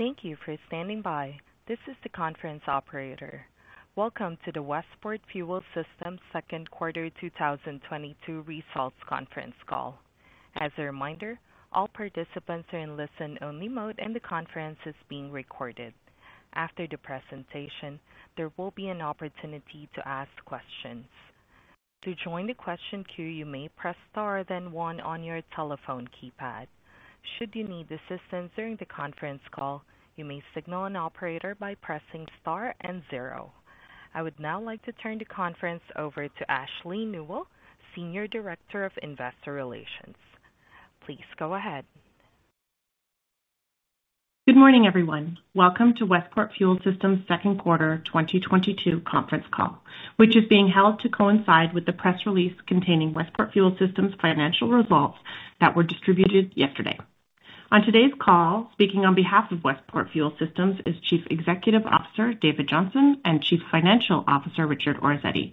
Thank you for standing by. This is the conference operator. Welcome to the Westport Fuel Systems Second Quarter 2022 Results Conference Call. As a reminder, all participants are in listen-only mode, and the conference is being recorded. After the presentation, there will be an opportunity to ask questions. To join the question queue, you may press star then one on your telephone keypad. Should you need assistance during the conference call, you may signal an operator by pressing star and zero. I would now like to turn the conference over to Ashley Nuell, Senior Director of Investor Relations. Please go ahead. Good morning, everyone. Welcome to Westport Fuel Systems Second Quarter 2022 Conference Call, which is being held to coincide with the press release containing Westport Fuel Systems financial results that were distributed yesterday. On today's call, speaking on behalf of Westport Fuel Systems is Chief Executive Officer David Johnson, and Chief Financial Officer Richard Orazietti.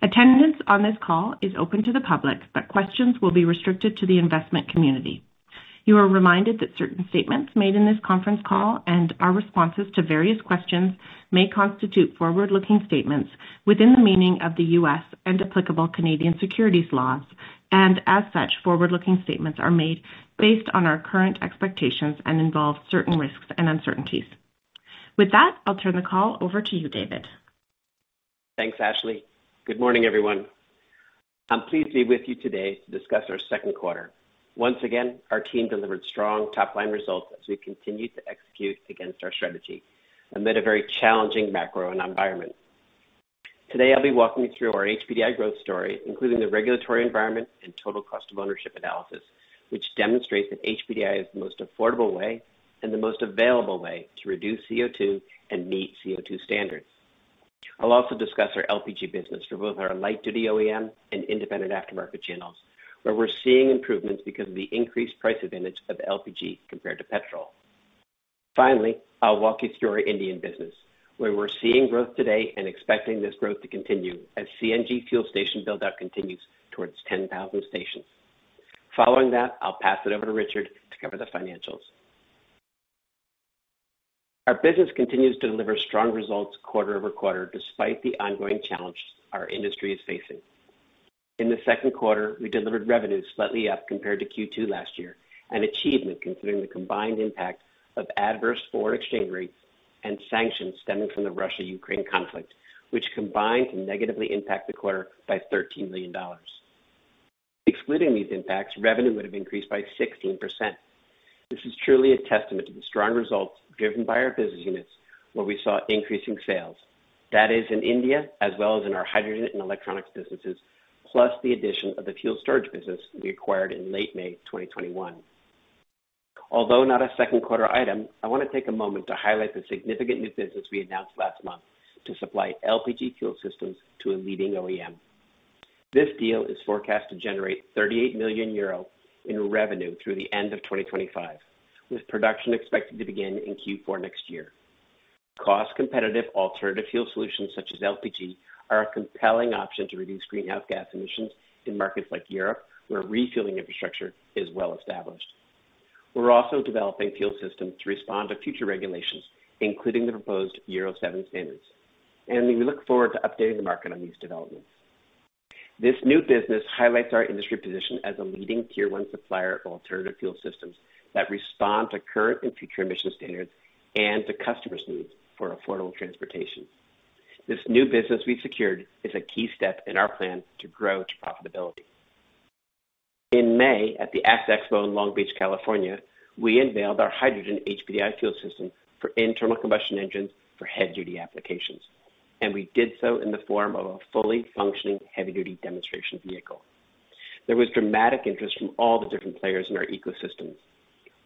Attendance on this call is open to the public, but questions will be restricted to the investment community. You are reminded that certain statements made in this conference call and our responses to various questions may constitute forward-looking statements within the meaning of the U.S. and applicable Canadian securities laws. As such, forward-looking statements are made based on our current expectations and involve certain risks and uncertainties. With that, I'll turn the call over to you, David. Thanks, Ashley. Good morning, everyone. I'm pleased to be with you today to discuss our second quarter. Once again, our team delivered strong top-line results as we continued to execute against our strategy amid a very challenging macro environment. Today, I'll be walking you through our HPDI growth story, including the regulatory environment and total cost of ownership analysis, which demonstrates that HPDI is the most affordable way and the most available way to reduce CO2 and meet CO2 standards. I'll also discuss our LPG business through both our light-duty OEM and Independent Aftermarket channels, where we're seeing improvements because of the increased price advantage of LPG compared to petrol. Finally, I'll walk you through our Indian business, where we're seeing growth today and expecting this growth to continue as CNG fuel station build-out continues towards 10,000 stations. Following that, I'll pass it over to Richard to cover the financials. Our business continues to deliver strong results quarter-over-quarter, despite the ongoing challenge our industry is facing. In the second quarter, we delivered revenue slightly up compared to Q2 last year, an achievement considering the combined impact of adverse foreign exchange rates and sanctions stemming from the Russia-Ukraine conflict, which combined can negatively impact the quarter by $13 million. Excluding these impacts, revenue would have increased by 16%. This is truly a testament to the strong results driven by our business units, where we saw increasing sales. That is in India, as well as in our Hydrogen and Electronics businesses, plus the addition of the Fuel Storage business we acquired in late May 2021. Although not a second quarter item, I want to take a moment to highlight the significant new business we announced last month to supply LPG fuel systems to a leading OEM. This deal is forecast to generate 38 million euro in revenue through the end of 2025, with production expected to begin in Q4 next year. Cost-competitive alternative fuel solutions such as LPG are a compelling option to reduce greenhouse gas emissions in markets like Europe, where refueling infrastructure is well established. We're also developing fuel systems to respond to future regulations, including the proposed Euro 7 standards, and we look forward to updating the market on these developments. This new business highlights our industry position as a leading tier one supplier of alternative fuel systems that respond to current and future emission standards and to customers' needs for affordable transportation. This new business we've secured is a key step in our plan to grow to profitability. In May, at the ACT Expo in Long Beach, California, we unveiled our hydrogen HPDI fuel system for internal combustion engines for heavy-duty applications, and we did so in the form of a fully functioning heavy-duty demonstration vehicle. There was dramatic interest from all the different players in our ecosystem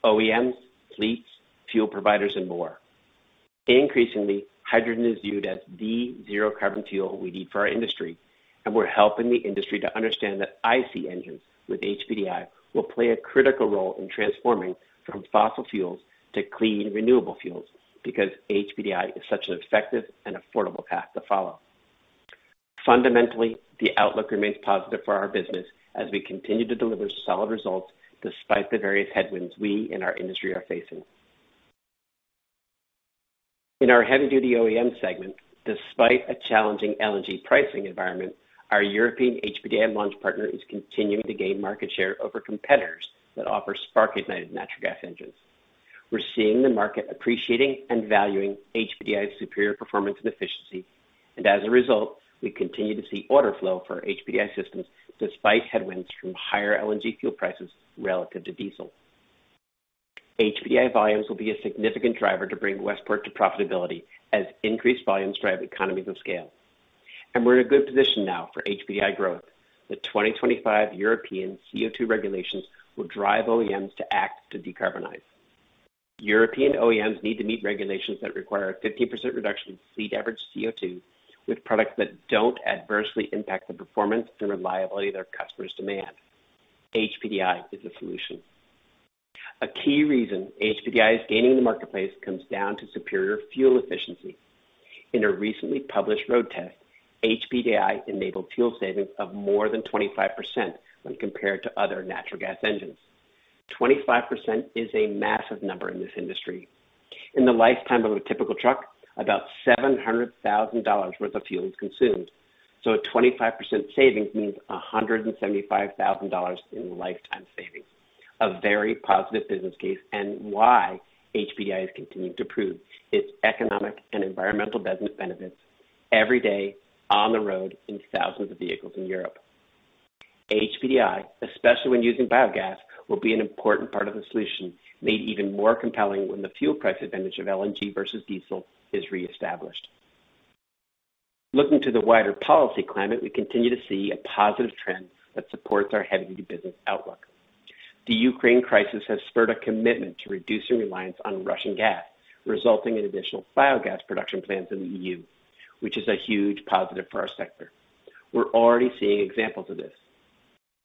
OEMs, fleets, fuel providers, and more. Increasingly, hydrogen is viewed as the zero carbon fuel we need for our industry, and we're helping the industry to understand that IC engines with HPDI will play a critical role in transforming from fossil fuels to clean, renewable fuels because HPDI is such an effective and affordable path to follow. Fundamentally, the outlook remains positive for our business as we continue to deliver solid results despite the various headwinds we in our industry are facing. In our heavy-duty OEM segment, despite a challenging LNG pricing environment, our European HPDI launch partner is continuing to gain market share over competitors that offer spark-ignited natural gas engines. We're seeing the market appreciating and valuing HPDI's superior performance and efficiency, and as a result, we continue to see order flow for HPDI systems despite headwinds from higher LNG fuel prices relative to diesel. HPDI volumes will be a significant driver to bring Westport to profitability as increased volumes drive economies of scale. We're in a good position now for HPDI growth. The 2025 European CO2 regulations will drive OEMs to act to decarbonize. European OEMs need to meet regulations that require a 15% reduction in fleet average CO2 with products that don't adversely impact the performance and reliability their customers demand. HPDI is the solution. A key reason HPDI is gaining in the marketplace comes down to superior fuel efficiency. In a recently published road test, HPDI enabled fuel savings of more than 25% when compared to other natural gas engines. 25% is a massive number in this industry. In the lifetime of a typical truck, about $700,000 worth of fuel is consumed. A 25% savings means $175,000 in lifetime savings. A very positive business case, and why HPDI has continued to prove its Economic and Environmental business benefits every day on the road in thousands of vehicles in Europe. HPDI, especially when using biogas, will be an important part of the solution, made even more compelling when the fuel price advantage of LNG versus diesel is reestablished. Looking to the wider policy climate, we continue to see a positive trend that supports our Heavy-duty business outlook. The Ukraine crisis has spurred a commitment to reducing reliance on Russian gas, resulting in additional biogas production plants in the EU, which is a huge positive for our sector. We're already seeing examples of this.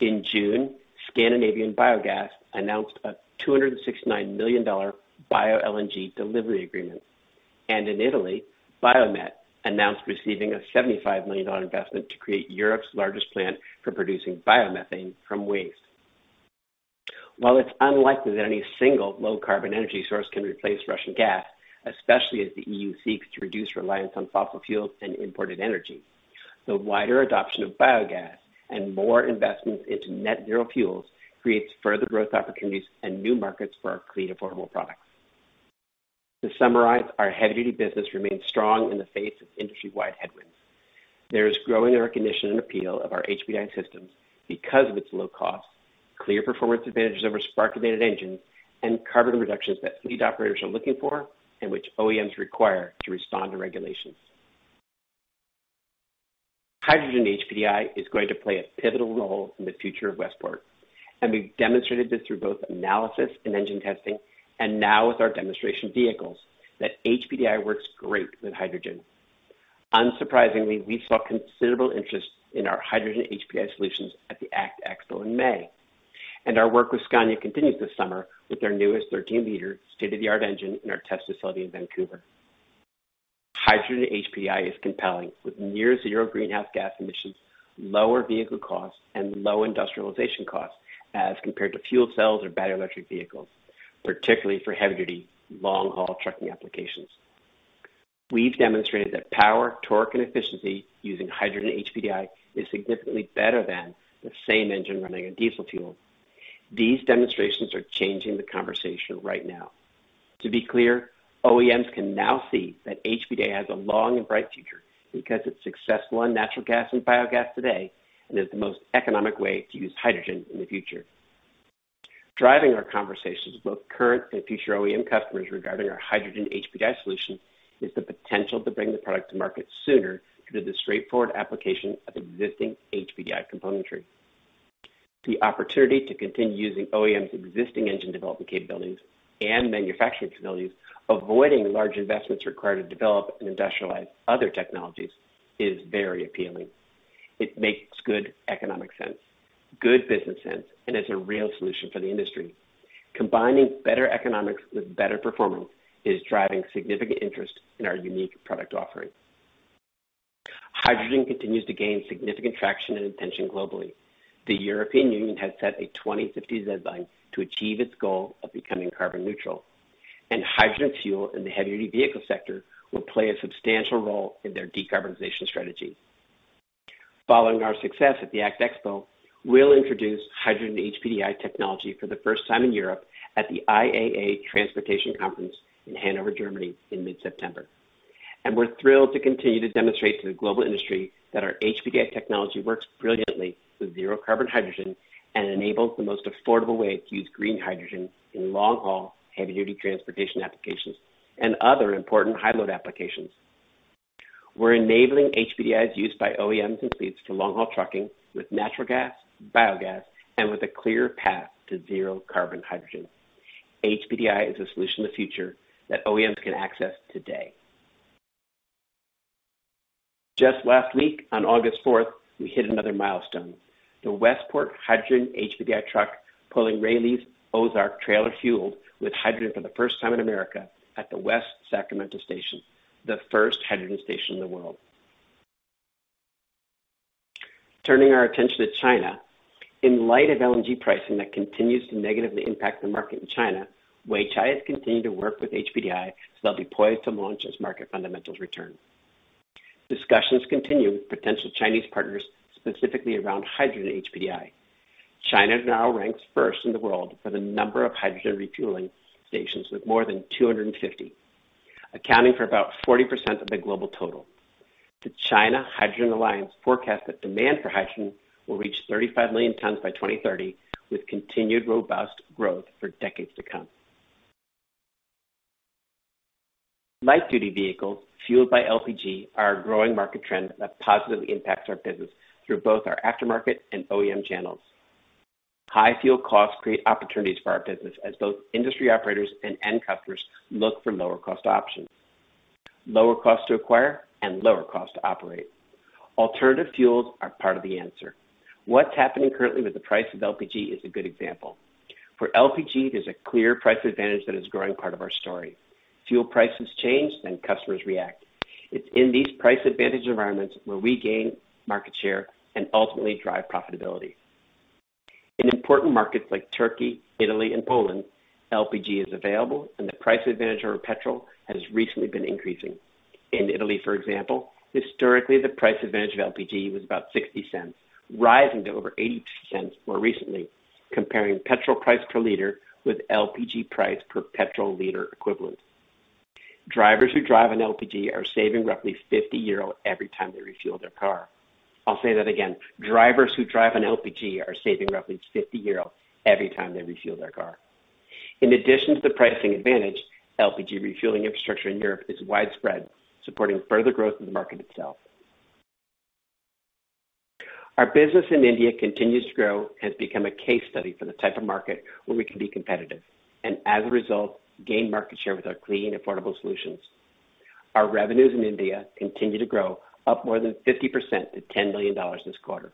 In June, Scandinavian Biogas announced a $269 million bio-LNG delivery agreement. In Italy, Biomet announced receiving a $75 million investment to create Europe's largest plant for producing biomethane from waste. While it's unlikely that any single low carbon energy source can replace Russian gas, especially as the EU seeks to reduce reliance on fossil fuels and imported energy, the wider adoption of biogas and more investments into net zero fuels creates further growth opportunities and new markets for our clean, affordable products. To summarize, our Heavy-duty business remains strong in the face of industry-wide headwinds. There is growing recognition and appeal of our HPDI systems because of its low cost, clear performance advantages over spark-ignited engines, and carbon reductions that fleet operators are looking for and which OEMs require to respond to regulations. Hydrogen HPDI is going to play a pivotal role in the future of Westport, and we've demonstrated this through both analysis and engine testing, and now with our demonstration vehicles that HPDI works great with hydrogen. Unsurprisingly, we saw considerable interest in our hydrogen HPDI solutions at the ACT Expo in May. Our work with Scania continues this summer with their newest 13-liter state-of-the-art engine in our test facility in Vancouver. Hydrogen HPDI is compelling, with near zero greenhouse gas emissions, lower vehicle costs, and low industrialization costs as compared to fuel cells or battery electric vehicles, particularly for heavy-duty, long-haul trucking applications. We've demonstrated that power, torque, and efficiency using hydrogen HPDI is significantly better than the same engine running on diesel fuel. These demonstrations are changing the conversation right now. To be clear, OEMs can now see that HPDI has a long and bright future because it's successful on natural gas and biogas today and is the most economic way to use hydrogen in the future. Driving our conversations with both current and future OEM customers regarding our hydrogen HPDI solution is the potential to bring the product to market sooner through the straightforward application of existing HPDI componentry. The opportunity to continue using OEM's existing engine development capabilities and manufacturing facilities, avoiding large investments required to develop and industrialize other technologies, is very appealing. It makes good economic sense, good business sense, and is a real solution for the industry. Combining better economics with better performance is driving significant interest in our unique product offering. Hydrogen continues to gain significant traction and attention globally. The European Union has set a 2050 deadline to achieve its goal of becoming carbon neutral, and hydrogen fuel in the heavy-duty vehicle sector will play a substantial role in their decarbonization strategy. Following our success at the ACT Expo, we'll introduce hydrogen HPDI technology for the first time in Europe at the IAA Transportation Conference in Hanover, Germany, in mid-September. We're thrilled to continue to demonstrate to the global industry that our HPDI technology works brilliantly with zero carbon hydrogen and enables the most affordable way to use green hydrogen in long-haul, heavy-duty transportation applications and other important high-load applications. We're enabling HPDI's use by OEMs and fleets to long-haul trucking with natural gas, biogas, and with a clear path to zero carbon hydrogen. HPDI is a solution of the future that OEMs can access today. Just last week, on August 4th, we hit another milestone. The Westport hydrogen HPDI truck pulling Raley's Ozark trailer fueled with hydrogen for the first time in America at the West Sacramento station, the first hydrogen station in the world. Turning our attention to China. In light of LNG pricing that continues to negatively impact the market in China, Weichai has continued to work with HPDI so they'll be poised to launch as market fundamentals return. Discussions continue with potential Chinese partners, specifically around hydrogen HPDI. China now ranks first in the world for the number of hydrogen refueling stations with more than 250, accounting for about 40% of the global total. The China Hydrogen Alliance forecasts that demand for hydrogen will reach 35 million tons by 2030, with continued robust growth for decades to come. Light-duty vehicles fueled by LPG are a growing market trend that positively impacts our business through both our Aftermarket and OEM channels. High fuel costs create opportunities for our business as both industry operators and end customers look for lower cost options, lower cost to acquire, and lower cost to operate. Alternative fuels are part of the answer. What's happening currently with the price of LPG is a good example. For LPG, there's a clear price advantage that is growing part of our story. Fuel prices change, then customers react. It's in these price advantage environments where we gain market share and ultimately drive profitability. In important markets like Turkey, Italy and Poland, LPG is available and the price advantage over petrol has recently been increasing. In Italy, for example, historically the price advantage of LPG was about $0.60, rising to over $0.80 more recently, comparing petrol price per liter with LPG price per petrol liter equivalent. Drivers who drive on LPG are saving roughly 50 euro every time they refuel their car. I'll say that again, drivers who drive on LPG are saving roughly 50 euro every time they refuel their car. In addition to the pricing advantage, LPG refueling infrastructure in Europe is widespread, supporting further growth in the market itself. Our business in India continues to grow, has become a case study for the type of market where we can be competitive and as a result, gain market share with our clean, affordable solutions. Our revenues in India continue to grow, up more than 50% to $10 million this quarter.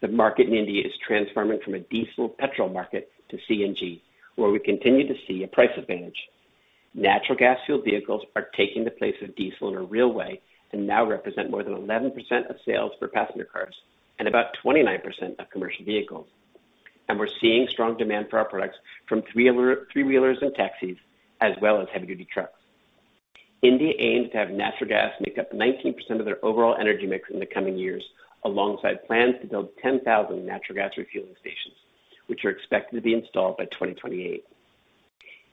The market in India is transforming from a diesel petrol market to CNG, where we continue to see a price advantage. Natural gas fueled vehicles are taking the place of diesel in a real way and now represent more than 11% of sales for passenger cars and about 29% of commercial vehicles. We're seeing strong demand for our products from three wheelers and taxis, as well as heavy-duty trucks. India aims to have natural gas make up 19% of their overall energy mix in the coming years, alongside plans to build 10,000 natural gas refueling stations, which are expected to be installed by 2028.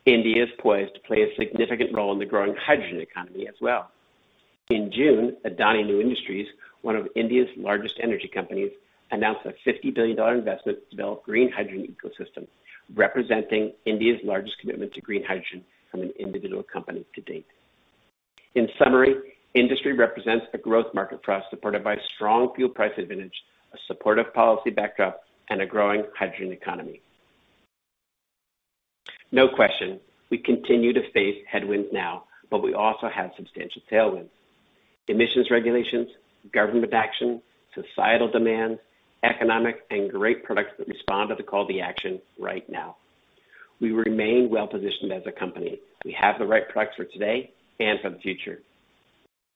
India is poised to play a significant role in the growing hydrogen economy as well. In June, Adani New Industries, one of India's largest energy companies, announced a $50 billion investment to develop green hydrogen ecosystem, representing India's largest commitment to green hydrogen from an individual company to date. In summary, industry represents a growth market for us, supported by strong fuel price advantage, a supportive policy backup, and a growing hydrogen economy. No question. We continue to face headwinds now, but we also have substantial tailwinds. Emissions regulations, government action, societal demand, economics and great products that respond to the call to action right now. We remain well positioned as a company. We have the right products for today and for the future.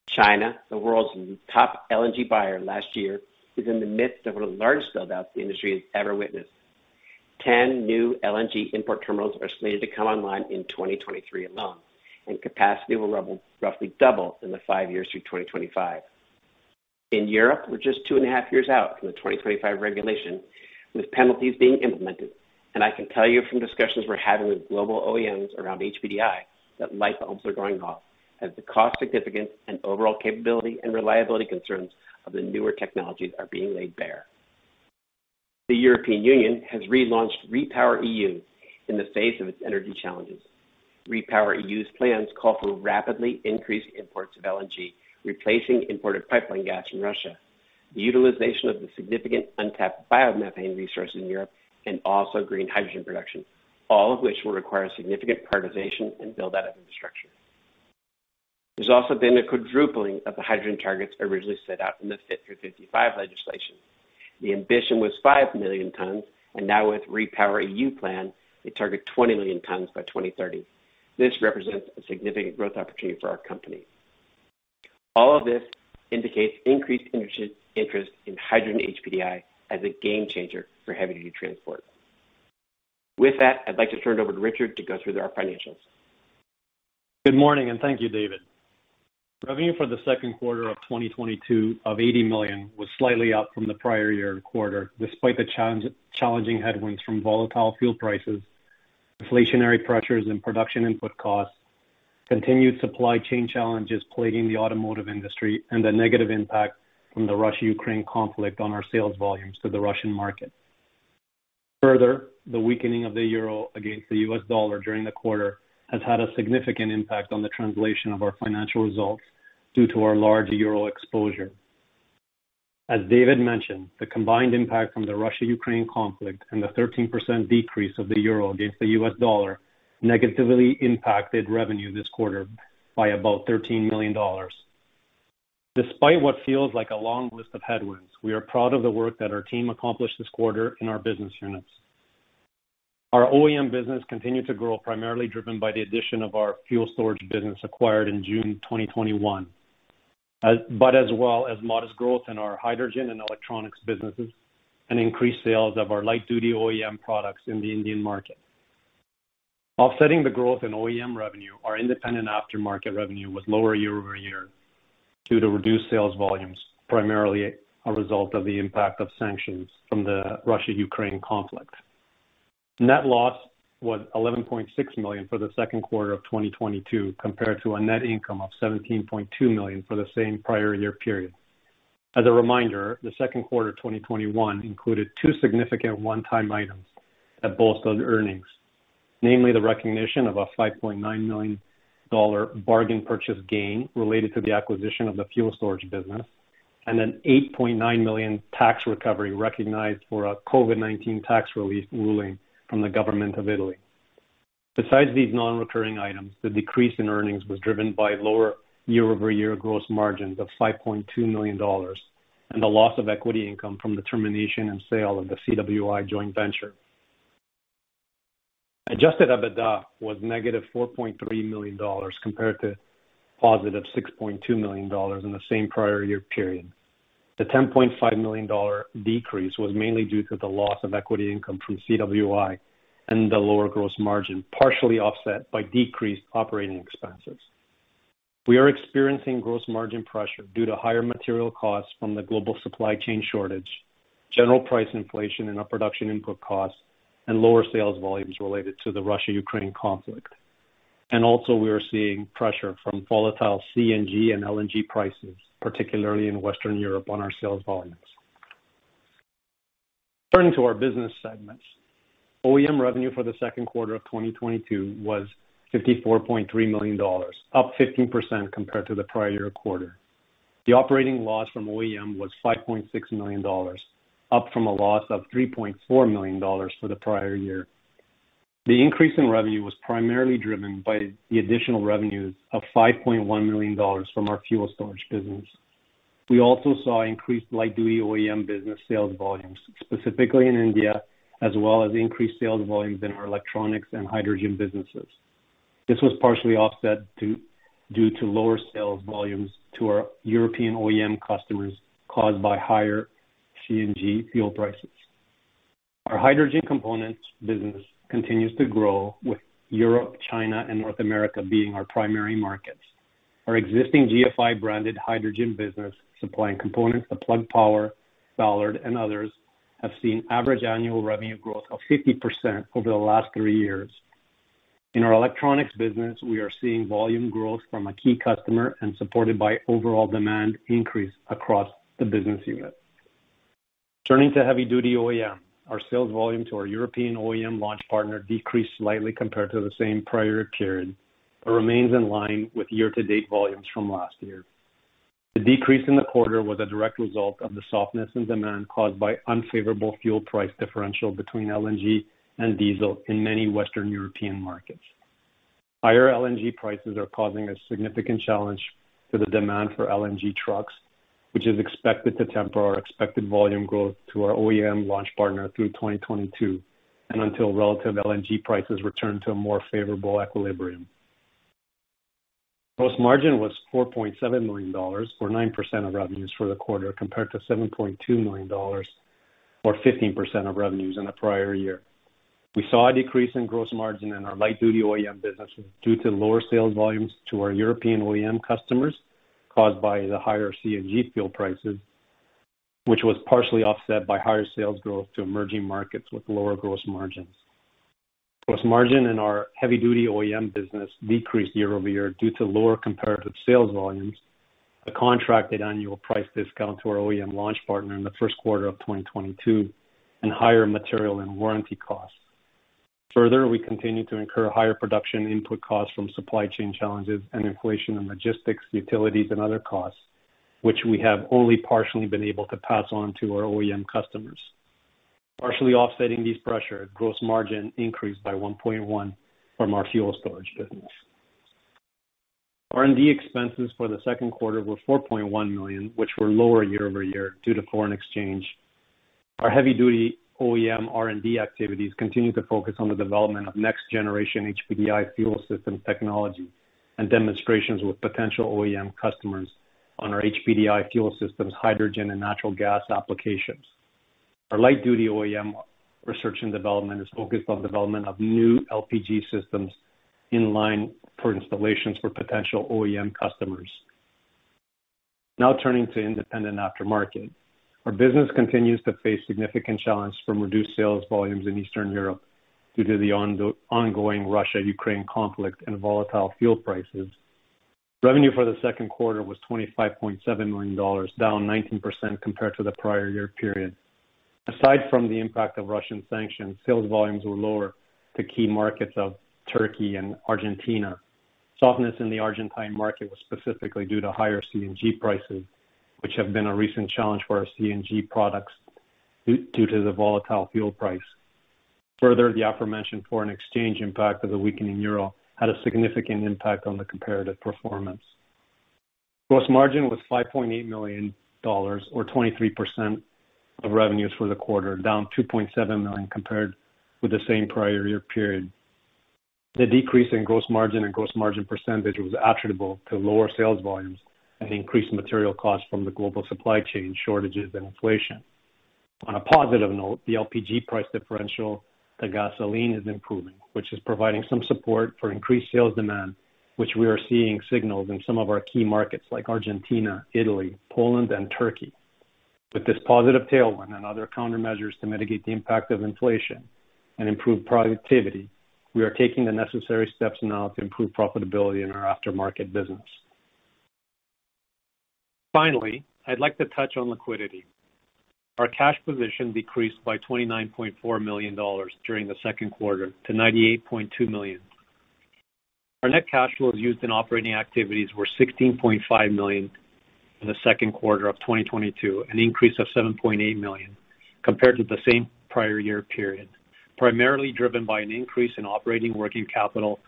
China, the world's top LNG buyer last year, is in the midst of one of the largest build outs the industry has ever witnessed. 10 new LNG import terminals are slated to come online in 2023 alone, and capacity will roughly double in the 5 years through 2025. In Europe, we're just 2.5 years out from the 2025 regulation, with penalties being implemented. I can tell you from discussions we're having with global OEMs around HPDI that light bulbs are going off as the cost significance and overall capability and reliability concerns of the newer technologies are being laid bare. The European Union has relaunched REPowerEU in the face of its energy challenges. REPowerEU's plans call for rapidly increased imports of LNG, replacing imported pipeline gas from Russia, the utilization of the significant untapped biomethane resource in Europe, and also green hydrogen production, all of which will require significant prioritization and build out of infrastructure. There's also been a quadrupling of the hydrogen targets originally set out in the Fit for 55 legislation. The ambition was 5 million tons, and now with REPowerEU plan, they target 20 million tons by 2030. This represents a significant growth opportunity for our company. All of this indicates increased interest in hydrogen HPDI as a game changer for heavy-duty transport. With that, I'd like to turn it over to Richard to go through our financials. Good morning, and thank you, David. Revenue for the second quarter of 2022 of $80 million was slightly up from the prior year quarter, despite the challenging headwinds from volatile fuel prices, inflationary pressures, and production input costs, continued supply chain challenges plaguing the automotive industry, and the negative impact from the Russia-Ukraine conflict on our sales volumes to the Russian market. Further, the weakening of the Euro against the U.S. dollar during the quarter has had a significant impact on the translation of our financial results due to our large Euro exposure. As David mentioned, the combined impact from the Russia-Ukraine conflict and the 13% decrease of the Euro against the U.S. dollar negatively impacted revenue this quarter by about $13 million. Despite what feels like a long list of headwinds, we are proud of the work that our team accomplished this quarter in our business units. Our OEM business continued to grow, primarily driven by the addition of our Fuel Storage business acquired in June 2021. As well as modest growth in our Hydrogen and Electronics businesses and increased sales of our light-duty OEM products in the Indian market. Offsetting the growth in OEM revenue, our Independent Aftermarket revenue was lower year over year due to reduced sales volumes, primarily a result of the impact of sanctions from the Russia-Ukraine conflict. Net loss was $11.6 million for the second quarter of 2022, compared to a net income of $17.2 million for the same prior year period. As a reminder, the second quarter of 2021 included two significant one-time items that bolstered earnings, namely the recognition of a $5.9 million bargain purchase gain related to the acquisition of the Fuel Storage business, and an $8.9 million tax recovery recognized for a COVID-19 tax relief ruling from the government of Italy. Besides these non-recurring items, the decrease in earnings was driven by lower year-over-year gross margins of $5.2 million and the loss of equity income from the termination and sale of the CWI joint venture. Adjusted EBITDA was negative $4.3 million compared to positive $6.2 million in the same prior year period. The $10.5 million decrease was mainly due to the loss of equity income from CWI and the lower gross margin, partially offset by decreased operating expenses. We are experiencing gross margin pressure due to higher material costs from the global supply chain shortage, general price inflation in our production input costs, and lower sales volumes related to the Russia-Ukraine conflict. We are also seeing pressure from volatile CNG and LNG prices, particularly in Western Europe on our sales volumes. Turning to our business segments. OEM revenue for the second quarter of 2022 was $54.3 million, up 15% compared to the prior year quarter. The operating loss from OEM was $5.6 million, up from a loss of $3.4 million for the prior year. The increase in revenue was primarily driven by the additional revenues of $5.1 million from our fuel storage business. We also saw increased light-duty OEM business sales volumes, specifically in India, as well as increased sales volumes in our Electronics and Hydrogen businesses. This was partially offset due to lower sales volumes to our European OEM customers caused by higher CNG fuel prices. Our Hydrogen components business continues to grow, with Europe, China, and North America being our primary markets. Our existing GFI branded Hydrogen business supplying components to Plug Power, Ballard, and others have seen average annual revenue growth of 50% over the last three years. In our Electronics business, we are seeing volume growth from a key customer and supported by overall demand increase across the business unit. Turning to Heavy Duty OEM. Our sales volume to our European OEM launch partner decreased slightly compared to the same prior period, but remains in line with year-to-date volumes from last year. The decrease in the quarter was a direct result of the softness in demand caused by unfavorable fuel price differential between LNG and diesel in many Western European markets. Higher LNG prices are causing a significant challenge to the demand for LNG trucks, which is expected to temper our expected volume growth to our OEM launch partner through 2022, and until relative LNG prices return to a more favorable equilibrium. Gross margin was $4.7 million, or 9% of revenues for the quarter, compared to $7.2 million or 15% of revenues in the prior year. We saw a decrease in gross margin in our light-duty OEM businesses due to lower sales volumes to our European OEM customers caused by the higher CNG fuel prices, which was partially offset by higher sales growth to emerging markets with lower gross margins. Gross margin in our heavy-duty OEM business decreased year-over-year due to lower comparative sales volumes, a contracted annual price discount to our OEM launch partner in the first quarter of 2022, and higher material and warranty costs. Further, we continue to incur higher production input costs from supply chain challenges and inflation in logistics, utilities, and other costs, which we have only partially been able to pass on to our OEM customers. Partially offsetting these pressures, gross margin increased by 1.1% from our Fuel Storage business. R&D expenses for the second quarter were $4.1 million, which were lower year-over-year due to foreign exchange. Our heavy-duty OEM R&D activities continue to focus on the development of next generation HPDI fuel system technology and demonstrations with potential OEM customers on our HPDI fuel systems, hydrogen and natural gas applications. Our light-duty OEM research and development is focused on development of new LPG systems in line for installations for potential OEM customers. Now turning to Independent Aftermarket. Our business continues to face significant challenge from reduced sales volumes in Eastern Europe due to the ongoing Russia-Ukraine conflict and volatile fuel prices. Revenue for the second quarter was $25.7 million, down 19% compared to the prior year period. Aside from the impact of Russian sanctions, sales volumes were lower to key markets of Turkey and Argentina. Softness in the Argentine market was specifically due to higher CNG prices, which have been a recent challenge for our CNG products due to the volatile fuel price. Further, the aforementioned foreign exchange impact of the weakening Euro had a significant impact on the comparative performance. Gross margin was $5.8 million, or 23% of revenues for the quarter, down $2.7 million compared with the same prior year period. The decrease in gross margin and gross margin percentage was attributable to lower sales volumes and increased material costs from the global supply chain shortages and inflation. On a positive note, the LPG price differential to gasoline is improving, which is providing some support for increased sales demand, which we are seeing signals in some of our key markets like Argentina, Italy, Poland, and Turkey. With this positive tailwind and other countermeasures to mitigate the impact of inflation and improve productivity, we are taking the necessary steps now to improve profitability in our Aftermarket business. Finally, I'd like to touch on liquidity. Our cash position decreased by $29.4 million during the second quarter to $98.2 million. Our net cash flows used in operating activities were $16.5 million in the second quarter of 2022, an increase of $7.8 million compared to the same prior year period, primarily driven by an increase in operating working capital,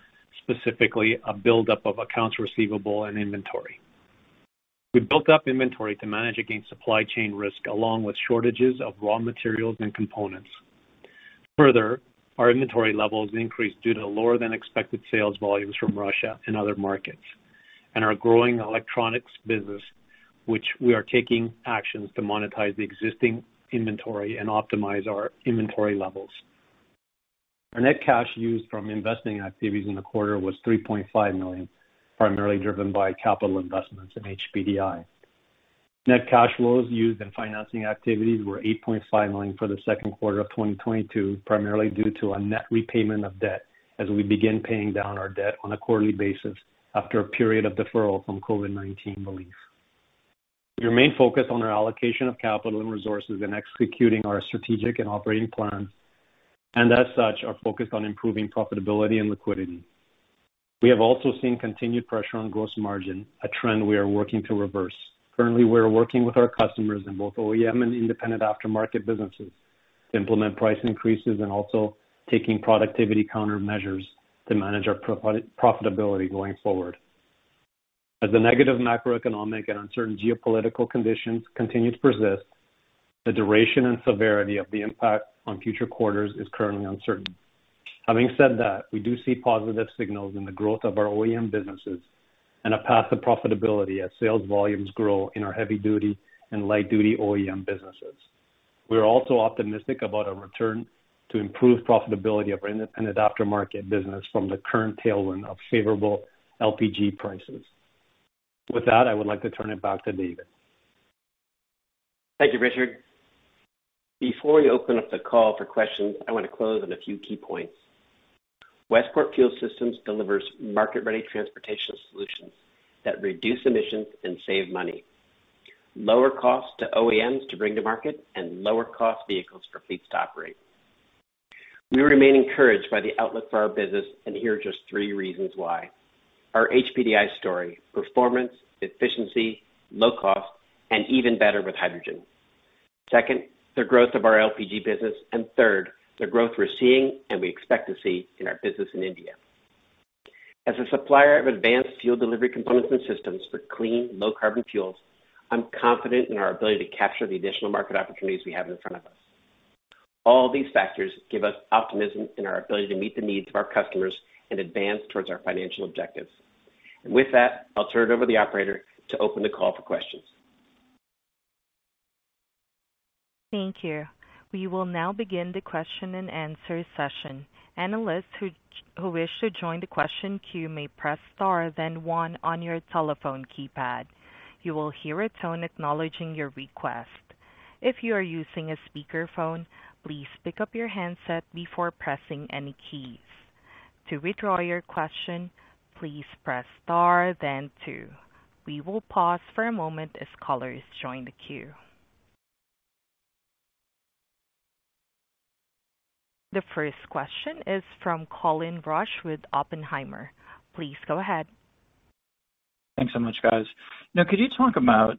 specifically a buildup of accounts receivable and inventory. We built up inventory to manage against supply chain risk, along with shortages of raw materials and components. Further, our inventory levels increased due to lower than expected sales volumes from Russia and other markets, and our growing Electronics business, which we are taking actions to monetize the existing inventory and optimize our inventory levels. Our net cash used from investing activities in the quarter was $3.5 million, primarily driven by capital investments in HPDI. Net cash flows used in financing activities were $8.5 million for the second quarter of 2022, primarily due to a net repayment of debt as we begin paying down our debt on a quarterly basis after a period of deferral from COVID-19 relief. Our main focus on our allocation of capital and resources in executing our strategic and operating plans, and as such, are focused on improving profitability and liquidity. We have also seen continued pressure on gross margin, a trend we are working to reverse. Currently, we are working with our customers in both OEM and Independent Aftermarket businesses to implement price increases and also taking productivity countermeasures to manage our profitability going forward. As the negative macroeconomic and uncertain geopolitical conditions continue to persist, the duration and severity of the impact on future quarters is currently uncertain. Having said that, we do see positive signals in the growth of our OEM businesses and a path to profitability as sales volumes grow in our heavy duty and light duty OEM businesses. We are also optimistic about a return to improved profitability of our Independent Aftermarket business from the current tailwind of favorable LPG prices. With that, I would like to turn it back to David. Thank you, Richard. Before we open up the call for questions, I want to close on a few key points. Westport Fuel Systems delivers market-ready transportation solutions that reduce emissions and save money, lower cost to OEMs to bring to market, and lower cost vehicles for fleets to operate. We remain encouraged by the outlook for our business, and here are just three reasons why. Our HPDI story, performance, efficiency, low cost, and even better with hydrogen. Second, the growth of our LPG business, and third, the growth we're seeing and we expect to see in our business in India. As a supplier of advanced fuel delivery components and systems for clean, low carbon fuels, I'm confident in our ability to capture the additional market opportunities we have in front of us. All these factors give us optimism in our ability to meet the needs of our customers and advance towards our financial objectives. With that, I'll turn it over to the operator to open the call for questions. Thank you. We will now begin the question and answer session. Analysts who wish to join the question queue may press star then one on your telephone keypad. You will hear a tone acknowledging your request. If you are using a speakerphone, please pick up your handset before pressing any keys. To withdraw your question, please press star then two. We will pause for a moment as callers join the queue. The first question is from Colin Rusch with Oppenheimer. Please go ahead. Thanks so much, guys. Now, could you talk about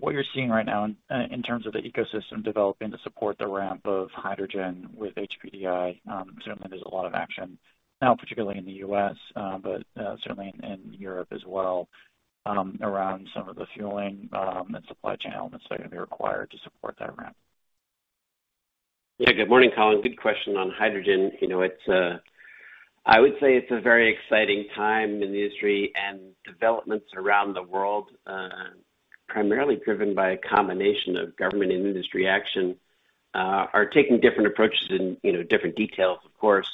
what you're seeing right now in terms of the ecosystem developing to support the ramp of hydrogen with HPDI? Certainly there's a lot of action now, particularly in the U.S., but certainly in Europe as well, around some of the fueling and supply chain elements that are gonna be required to support that ramp. Yeah. Good morning, Colin. Good question on hydrogen. You know, it's, I would say it's a very exciting time in the industry, and developments around the world, primarily driven by a combination of government and industry action, are taking different approaches in, you know, different details, of course.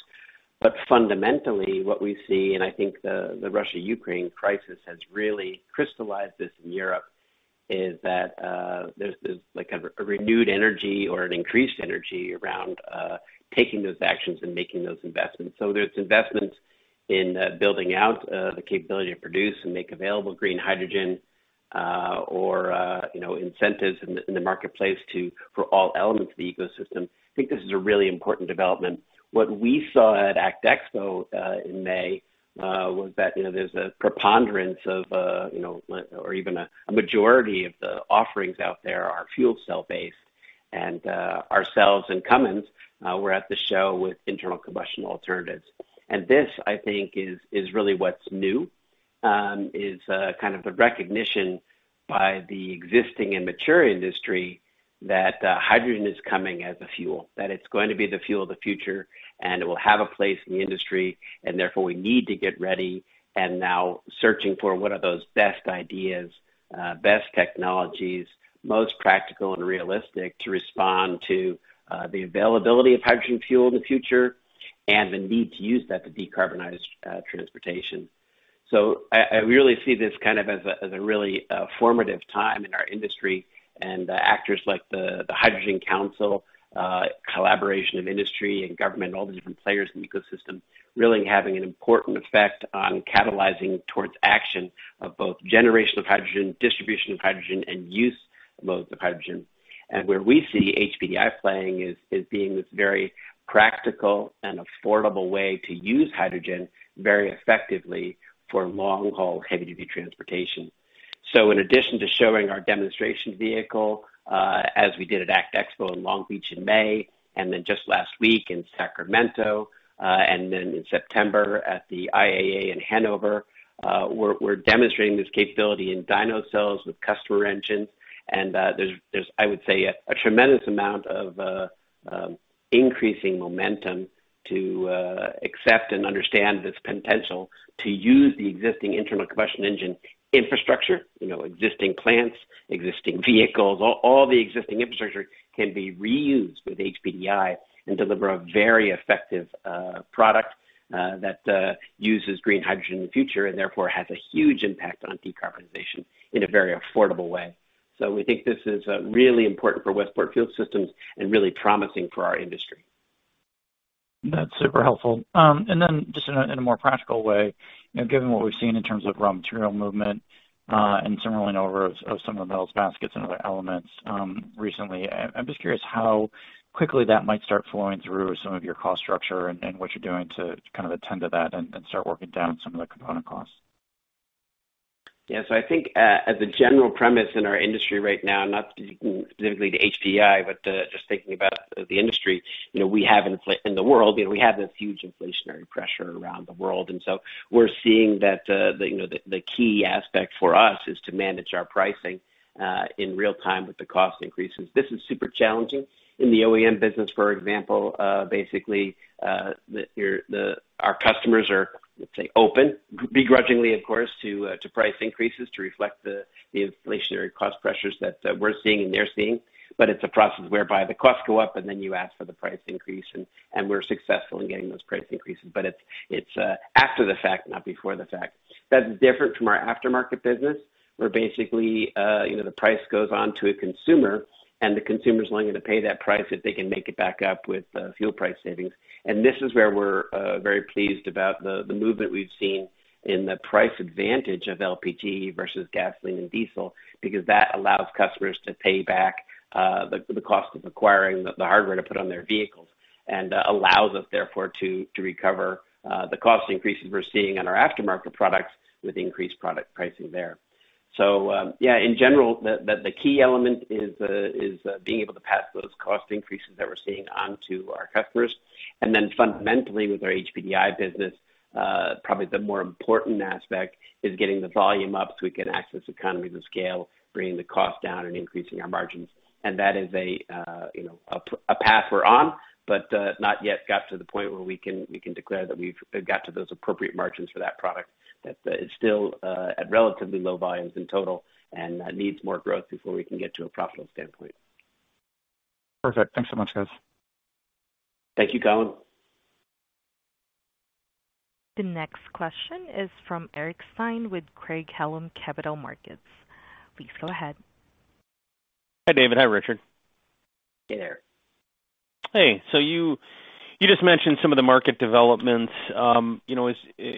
Fundamentally, what we see, and I think the Russia-Ukraine crisis has really crystallized this in Europe, is that, there's like a renewed energy or an increased energy around, taking those actions and making those investments. There's investments in, building out, the capability to produce and make available green hydrogen, or, you know, incentives in the marketplace to for all elements of the ecosystem. I think this is a really important development. What we saw at ACT Expo in May was that, you know, there's a preponderance of, you know, or even a majority of the offerings out there are fuel cell based. Ourselves and Cummins were at the show with internal combustion alternatives. This, I think, is really what's new, kind of the recognition by the existing and mature industry that hydrogen is coming as a fuel, that it's going to be the fuel of the future, and it will have a place in the industry, and therefore we need to get ready. Now searching for what are those best ideas, best technologies, most practical and realistic to respond to the availability of hydrogen fuel in the future and the need to use that to decarbonize transportation. I really see this kind of as a really formative time in our industry. Actors like the Hydrogen Council, collaboration of industry and government, all the different players in the ecosystem, really having an important effect on catalyzing towards action of both generation of hydrogen, distribution of hydrogen, and use modes of hydrogen. Where we see HPDI playing is being this very practical and affordable way to use hydrogen very effectively for long-haul heavy-duty transportation. In addition to showing our demonstration vehicle, as we did at ACT Expo in Long Beach in May, and then just last week in Sacramento, and then in September at the IAA in Hanover, we're demonstrating this capability in dyno cells with customer engines. There's I would say a tremendous amount of increasing momentum to accept and understand this potential to use the existing internal combustion engine infrastructure, you know, existing plants, existing vehicles, all the existing infrastructure can be reused with HPDI and deliver a very effective product that uses green hydrogen in the future and therefore has a huge impact on decarbonization in a very affordable way. We think this is really important for Westport Fuel Systems and really promising for our industry. That's super helpful. Just in a more practical way, you know, given what we've seen in terms of raw material movement, and some rolling over of some of the metals baskets and other elements, recently, I'm just curious how quickly that might start flowing through some of your cost structure and what you're doing to kind of attend to that and start working down some of the component costs. Yeah. I think, as a general premise in our industry right now, not specifically to HPDI, but just thinking about the industry, you know, we have inflation in the world, you know, we have this huge inflationary pressure around the world. We're seeing that, you know, the key aspect for us is to manage our pricing in real time with the cost increases. This is super challenging. In the OEM business, for example, basically, our customers are, let's say, open, begrudgingly, of course, to price increases to reflect the inflationary cost pressures that we're seeing and they're seeing. It's a process whereby the costs go up and then you ask for the price increase and we're successful in getting those price increases. It's after the fact, not before the fact. That's different from our Aftermarket business, where basically, you know, the price goes on to a consumer, and the consumer's willing to pay that price if they can make it back up with fuel price savings. This is where we're very pleased about the movement we've seen in the price advantage of LPG versus gasoline and diesel, because that allows customers to pay back the cost of acquiring the hardware to put on their vehicles and allows us therefore to recover the cost increases we're seeing on our Aftermarket products with increased product pricing there. Yeah, in general, the key element is being able to pass those cost increases that we're seeing on to our customers. Fundamentally, with our HPDI business, probably the more important aspect is getting the volume up so we can access economies of scale, bringing the cost down and increasing our margins. That is a, you know, a path we're on, but not yet got to the point where we can declare that we've got to those appropriate margins for that product. It's still at relatively low volumes in total and needs more growth before we can get to a profitable standpoint. Perfect. Thanks so much, guys. Thank you, Colin. The next question is from Eric Stine with Craig-Hallum Capital Group. Please go ahead. Hi, David. Hi, Richard. Hey, Eric. Hey. You just mentioned some of the market developments. You know, as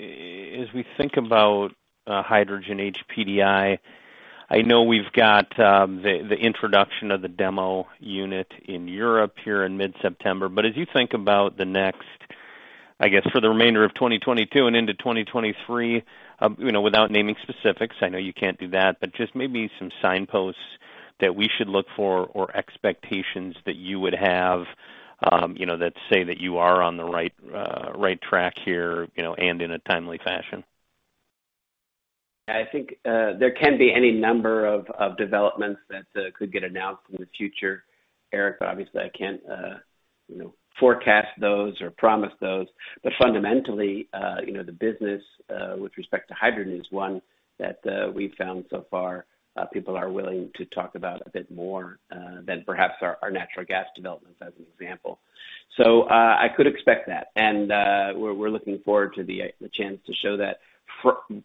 we think about hydrogen HPDI, I know we've got the introduction of the demo unit in Europe here in mid-September. As you think about the next, I guess, for the remainder of 2022 and into 2023, you know, without naming specifics, I know you can't do that, but just maybe some signposts that we should look for or expectations that you would have, you know, that say that you are on the right track here, you know, and in a timely fashion. I think there can be any number of developments that could get announced in the future, Eric, but obviously I can't, you know, forecast those or promise those. Fundamentally, you know, the business with respect to hydrogen is one that we've found so far, people are willing to talk about a bit more than perhaps our natural gas developments, as an example. I could expect that. We're looking forward to the chance to show that.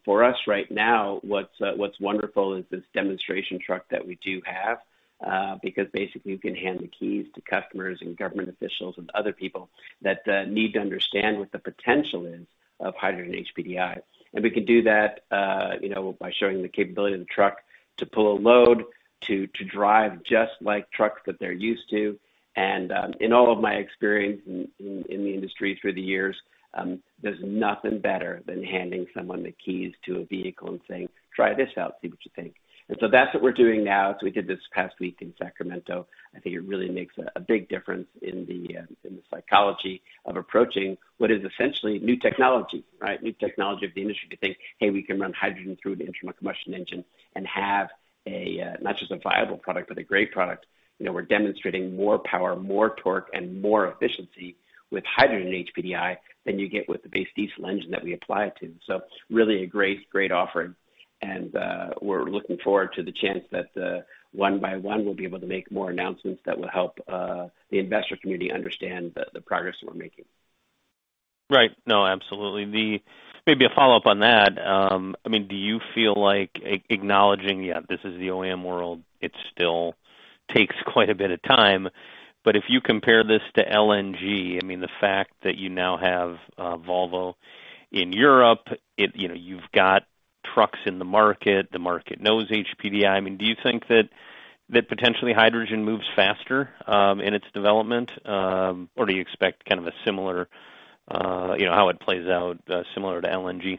For us right now, what's wonderful is this demonstration truck that we do have, because basically we can hand the keys to customers and government officials and other people that need to understand what the potential is of hydrogen HPDI. We can do that, you know, by showing the capability of the truck to pull a load, to drive just like trucks that they're used to. In all of my experience in the industry through the years, there's nothing better than handing someone the keys to a vehicle and saying, "Try this out, see what you think." That's what we're doing now. We did this past week in Sacramento. I think it really makes a big difference in the psychology of approaching what is essentially new technology, right? New technology of the industry to think, hey, we can run hydrogen through an internal combustion engine and have a not just a viable product, but a great product. You know, we're demonstrating more power, more torque, and more efficiency with hydrogen HPDI than you get with the base diesel engine that we apply it to. Really a great offering. We're looking forward to the chance that, one by one, we'll be able to make more announcements that will help the investor community understand the progress that we're making. Right. No, absolutely. Maybe a follow-up on that. I mean, do you feel like acknowledging, yeah, this is the OEM world, it takes quite a bit of time. But if you compare this to LNG, I mean, the fact that you now have Volvo in Europe, it, you know, you've got trucks in the market. The market knows HPDI. I mean, do you think that potentially hydrogen moves faster in its development? Or do you expect kind of a similar, you know, how it plays out, similar to LNG?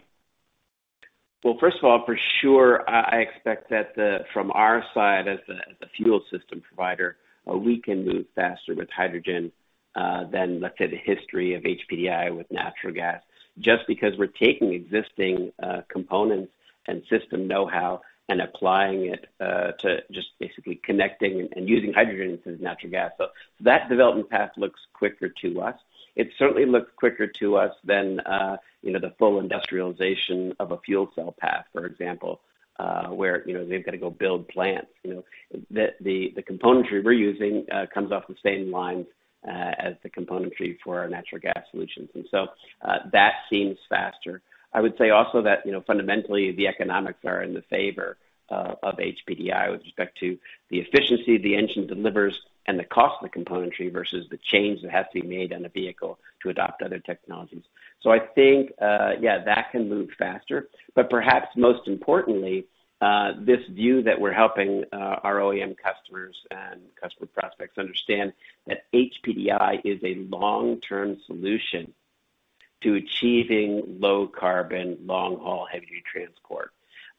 Well, first of all, for sure, I expect that from our side as the fuel system provider, we can move faster with hydrogen than, let's say, the history of HPDI with natural gas. Just because we're taking existing components and system know-how and applying it to just basically connecting and using hydrogen instead of natural gas. So that development path looks quicker to us. It certainly looks quicker to us than you know, the full industrialization of a fuel cell path, for example, where you know, they've got to go build plants. You know, the componentry we're using comes off the same lines as the componentry for our natural gas solutions. That seems faster. I would say also that, you know, fundamentally, the economics are in the favor of HPDI with respect to the efficiency the engine delivers and the cost of the componentry versus the change that has to be made on a vehicle to adopt other technologies. I think, yeah, that can move faster. Perhaps most importantly, this view that we're helping our OEM customers and customer prospects understand that HPDI is a long-term solution to achieving low carbon, long-haul heavy transport.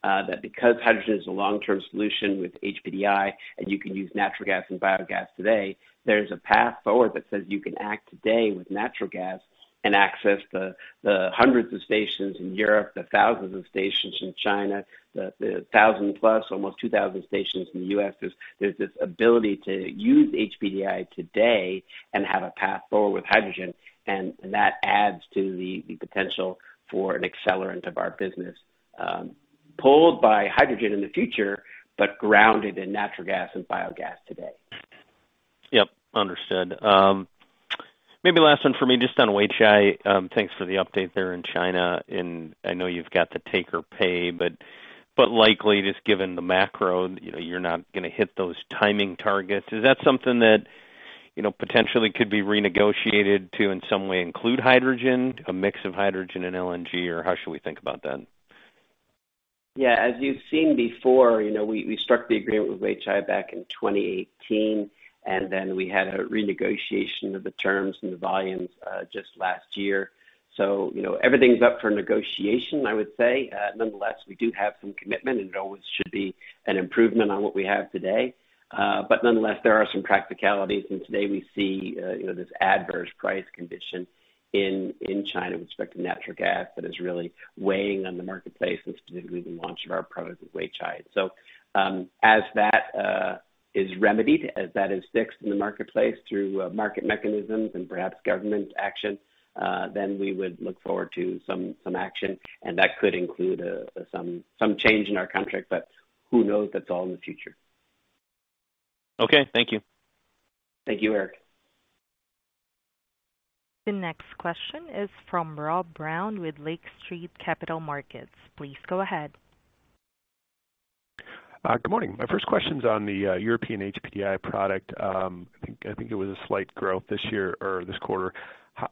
That, because hydrogen is a long-term solution with HPDI, and you can use natural gas and biogas today, there's a path forward that says you can act today with natural gas and access the hundreds of stations in Europe, the thousands of stations in China, the 1,000+, almost 2,000 stations in the U.S. There's this ability to use HPDI today and have a path forward with hydrogen, and that adds to the potential for an accelerant of our business, pulled by hydrogen in the future, but grounded in natural gas and biogas today. Yep, understood. Maybe last one for me, just on Weichai, thanks for the update there in China, and I know you've got the take or pay, but likely, just given the macro, you know, you're not gonna hit those timing targets. Is that something that, you know, potentially could be renegotiated to, in some way, include hydrogen, a mix of hydrogen and LNG, or how should we think about that? Yeah, as you've seen before, you know, we struck the agreement with Weichai back in 2018, and then we had a renegotiation of the terms and the volumes just last year. You know, everything's up for negotiation, I would say. Nonetheless, we do have some commitment, and it always should be an improvement on what we have today. Nonetheless, there are some practicalities. Today we see, you know, this adverse price condition in China with respect to natural gas that is really weighing on the marketplace and specifically the launch of our products with Weichai. As that is remedied, as that is fixed in the marketplace through market mechanisms and perhaps government action, then we would look forward to some action, and that could include some change in our contract. Who knows? That's all in the future. Okay. Thank you. Thank you, Eric. The next question is from Rob Brown with Lake Street Capital Markets. Please go ahead. Good morning. My first question's on the European HPDI product. I think it was a slight growth this year or this quarter.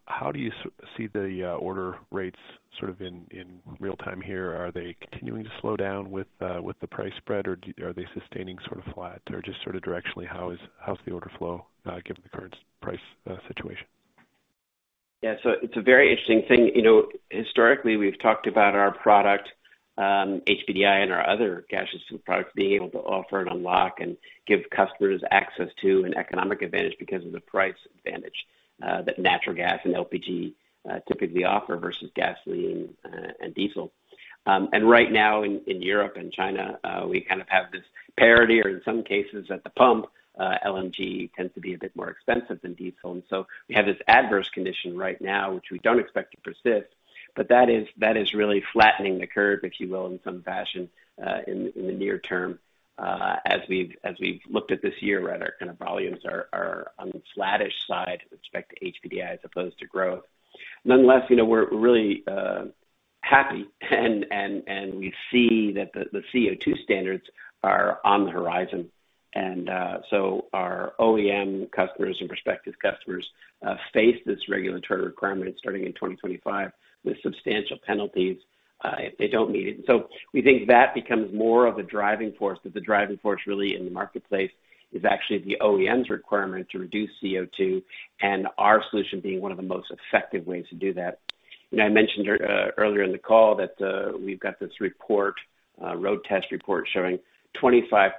How do you see the order rates sort of in real time here? Are they continuing to slow down with the price spread, or are they sustaining sort of flat? Or just sort of directionally, how's the order flow given the current price situation? Yeah. It's a very interesting thing. You know, historically, we've talked about our product, HPDI and our other gaseous products being able to offer and unlock and give customers access to an economic advantage because of the price advantage that natural gas and LPG typically offer versus gasoline and diesel. Right now in Europe and China, we kind of have this parity or in some cases at the pump, LNG tends to be a bit more expensive than diesel. We have this adverse condition right now, which we don't expect to persist. That is really flattening the curve, if you will, in some fashion, in the near term, as we've looked at this year, right, our kind of volumes are on the flattish side with respect to HPDI as opposed to growth. Nonetheless, you know, we're really happy and we see that the CO2 standards are on the horizon. Our OEM customers and prospective customers face this regulatory requirement starting in 2025 with substantial penalties if they don't meet it. We think that becomes more of a driving force, that the driving force really in the marketplace is actually the OEM's requirement to reduce CO2 and our solution being one of the most effective ways to do that. You know, I mentioned earlier in the call that we've got this report, road test report showing 25%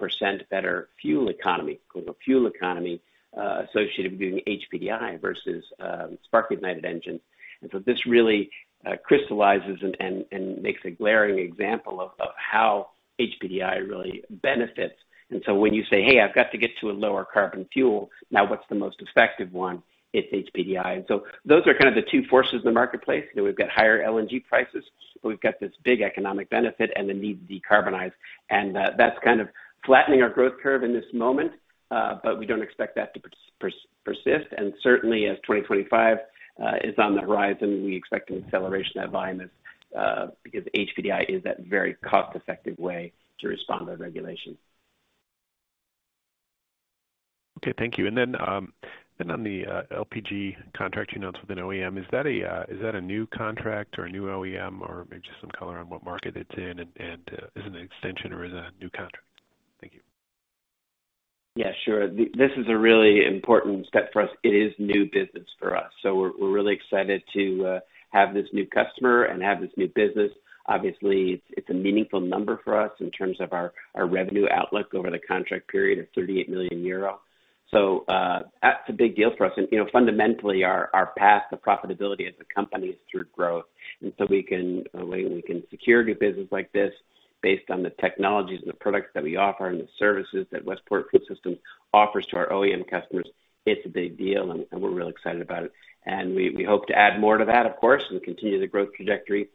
better fuel economy, quote-unquote, fuel economy, associated with doing HPDI versus spark-ignited engines. This really crystallizes and makes a glaring example of how HPDI really benefits. When you say, "Hey, I've got to get to a lower carbon fuel. Now what's the most effective one?" It's HPDI. Those are kind of the two forces in the marketplace. You know, we've got higher LNG prices, we've got this big economic benefit and the need to decarbonize. That's kind of flattening our growth curve in this moment. But we don't expect that to persist. Certainly as 2025 is on the horizon, we expect an acceleration of that volume as, because HPDI is that very cost-effective way to respond to the regulation. Okay. Thank you. On the LPG contract you announced with an OEM, is that a new contract or a new OEM or maybe just some color on what market it's in and is it an extension or is it a new contract? Thank you. Yeah, sure. This is a really important step for us. It is new business for us. We're really excited to have this new customer and have this new business. Obviously, it's a meaningful number for us in terms of our revenue outlook over the contract period of 38 million euro. That's a big deal for us. You know, fundamentally, our path to profitability as a company is through growth. We can secure new business like this based on the technologies and the products that we offer and the services that Westport Fuel Systems offers to our OEM customers. It's a big deal, and we're really excited about it. We hope to add more to that, of course, and continue the growth trajectory.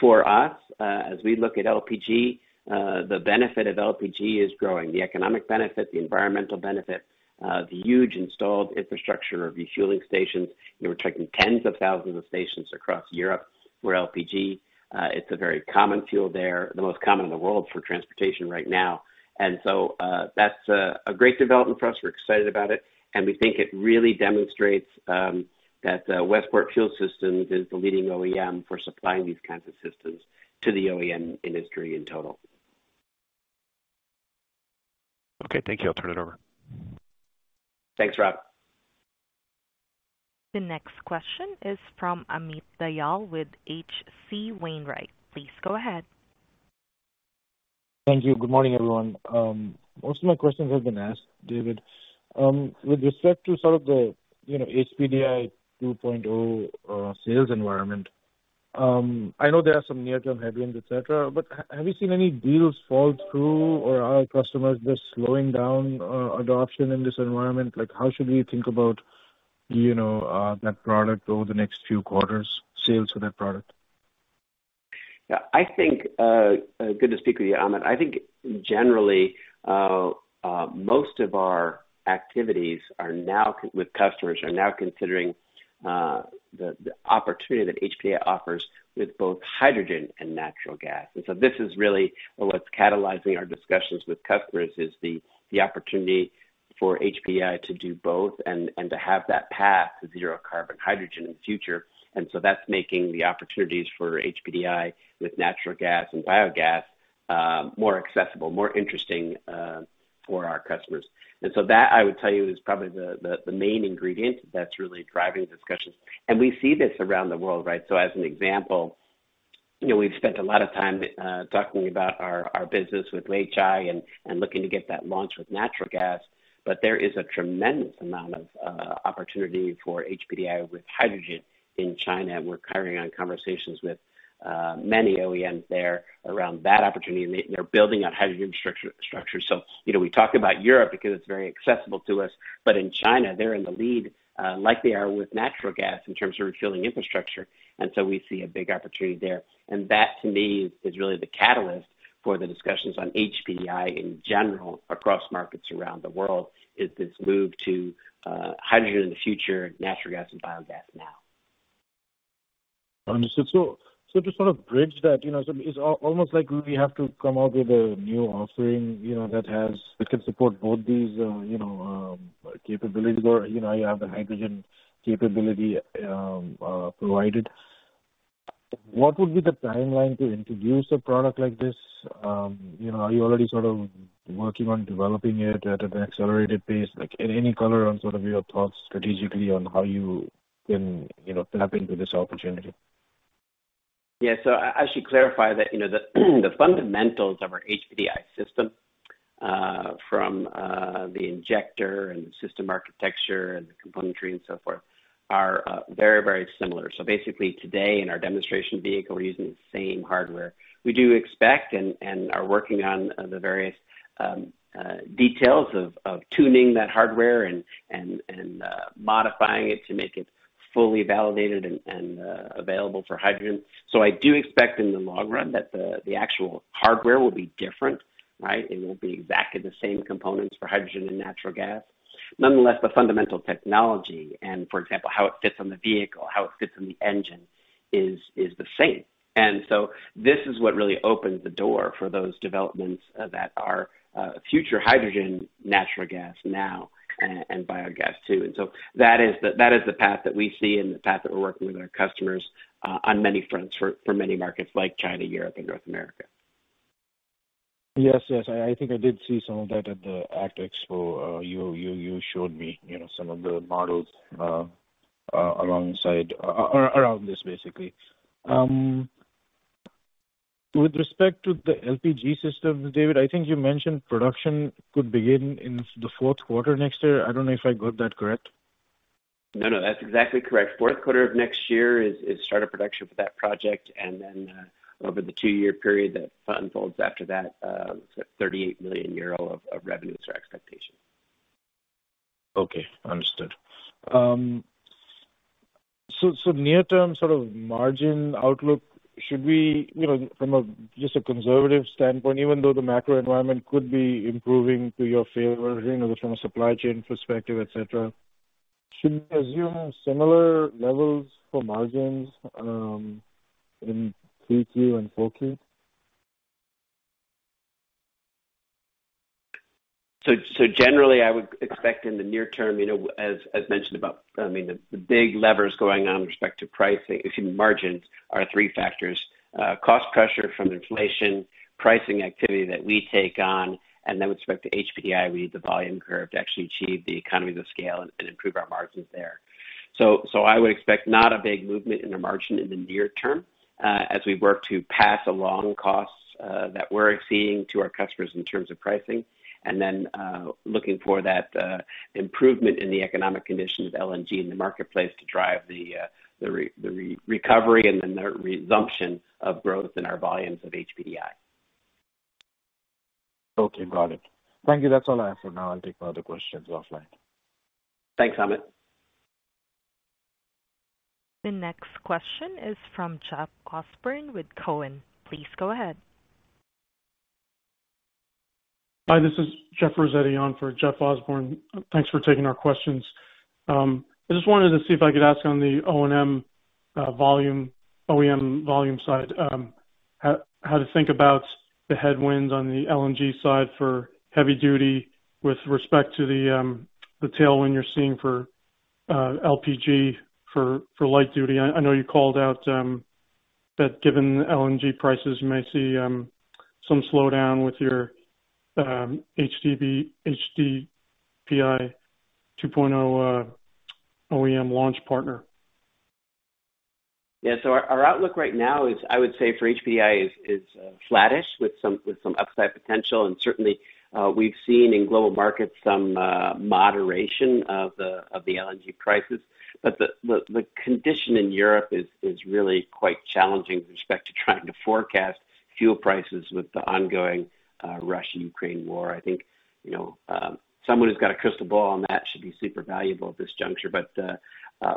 For us, as we look at LPG, the benefit of LPG is growing. The economic benefit, the environmental benefit, the huge installed infrastructure of refueling stations. You know, we're talking tens of thousands of stations across Europe where LPG, it's a very common fuel there, the most common in the world for transportation right now. That's a great development for us. We're excited about it, and we think it really demonstrates, that, Westport Fuel Systems is the leading OEM for supplying these kinds of systems to the OEM industry in total. Okay. Thank you. I'll turn it over. Thanks, Rob. The next question is from Amit Dayal with H.C. Wainwright. Please go ahead. Thank you. Good morning, everyone. Most of my questions have been asked, David. With respect to sort of the, you know, HPDI 2.0, sales environment, I know there are some near-term headwinds, et cetera, but have you seen any deals fall through or are customers just slowing down, adoption in this environment? Like, how should we think about, you know, that product over the next few quarters, sales for that product? Yeah. I think good to speak with you, Amit. I think generally, most of our activities with customers are now considering the opportunity that HPDI offers with both hydrogen and natural gas. This is really what's catalyzing our discussions with customers is the opportunity for HPDI to do both and to have that path to zero carbon hydrogen in the future. That's making the opportunities for HPDI with natural gas and biogas more accessible, more interesting for our customers. That, I would tell you, is probably the main ingredient that's really driving the discussions. We see this around the world, right? As an example, you know, we've spent a lot of time talking about our business with HPDI and looking to get that launch with natural gas, but there is a tremendous amount of opportunity for HPDI with hydrogen in China, and we're carrying on conversations with many OEMs there around that opportunity. They're building out hydrogen infrastructure. You know, we talk about Europe because it's very accessible to us, but in China, they're in the lead like they are with natural gas in terms of refueling infrastructure, and so we see a big opportunity there. That, to me, is really the catalyst for the discussions on HPDI in general across markets around the world, is this move to hydrogen in the future, natural gas and biogas now. Understood. To sort of bridge that, you know, so it's almost like we have to come out with a new offering, you know. It can support both these, you know, capabilities or, you know, you have the hydrogen capability provided. What would be the timeline to introduce a product like this? Are you already sort of working on developing it at an accelerated pace? Like, any color on sort of your thoughts strategically on how you can, you know, tap into this opportunity? Yeah. I should clarify that, you know, the fundamentals of our HPDI system, from the injector and the system architecture and the componentry and so forth are very, very similar. Basically today in our demonstration vehicle, we're using the same hardware. We do expect and are working on the various details of tuning that hardware and modifying it to make it fully validated and available for hydrogen. I do expect in the long run that the actual hardware will be different, right? It won't be exactly the same components for hydrogen and natural gas. Nonetheless, the fundamental technology and for example, how it fits on the vehicle, how it fits on the engine is the same. This is what really opens the door for those developments that are future hydrogen, natural gas now, and biogas too. That is the path that we see and the path that we're working with our customers on many fronts for many markets like China, Europe, and North America. Yes. I think I did see some of that at the ACT Expo. You showed me, you know, some of the models, alongside around this basically. With respect to the LPG systems, David, I think you mentioned production could begin in the fourth quarter next year. I don't know if I got that correct. No, no, that's exactly correct. Fourth quarter of next year is start of production for that project. Over the two-year period that unfolds after that, so 38 million euro of revenue is our expectation. Okay. Understood. Near term sort of margin outlook, should we, you know, from a just a conservative standpoint, even though the macro environment could be improving to your favor, you know, from a supply chain perspective, et cetera, should we assume similar levels for margins in 3Q and 4Q? Generally, I would expect in the near term, you know, as mentioned about, I mean, the big levers going on with respect to pricing, excuse me, margins are three factors, cost pressure from inflation, pricing activity that we take on, and then with respect to HPDI, I read the volume curve to actually achieve the economies of scale and improve our margins there. I would expect not a big movement in the margin in the near term, as we work to pass along costs that we're seeing to our customers in terms of pricing. Looking for that improvement in the economic conditions of LNG in the marketplace to drive the recovery and then the resumption of growth in our volumes of HPDI. Okay, got it. Thank you. That's all I have for now. I'll take my other questions offline. Thanks, Amit. The next question is from Jeff Osborne with Cowen. Please go ahead. Hi, this is Jeff Rossetti on for Jeff Osborne. Thanks for taking our questions. I just wanted to see if I could ask on the O&M volume, OEM volume side, how to think about the headwinds on the LNG side for heavy duty with respect to the tailwind you're seeing for LPG for light duty. I know you called out that given LNG prices, you may see some slowdown with your HPDI 2.0 OEM launch partner. Our outlook right now is, I would say, for HPDI is flattish with some upside potential. Certainly, we've seen in global markets some moderation of the LNG prices. The condition in Europe is really quite challenging with respect to trying to forecast fuel prices with the ongoing Russia-Ukraine war. I think, you know, someone who's got a crystal ball on that should be super valuable at this juncture.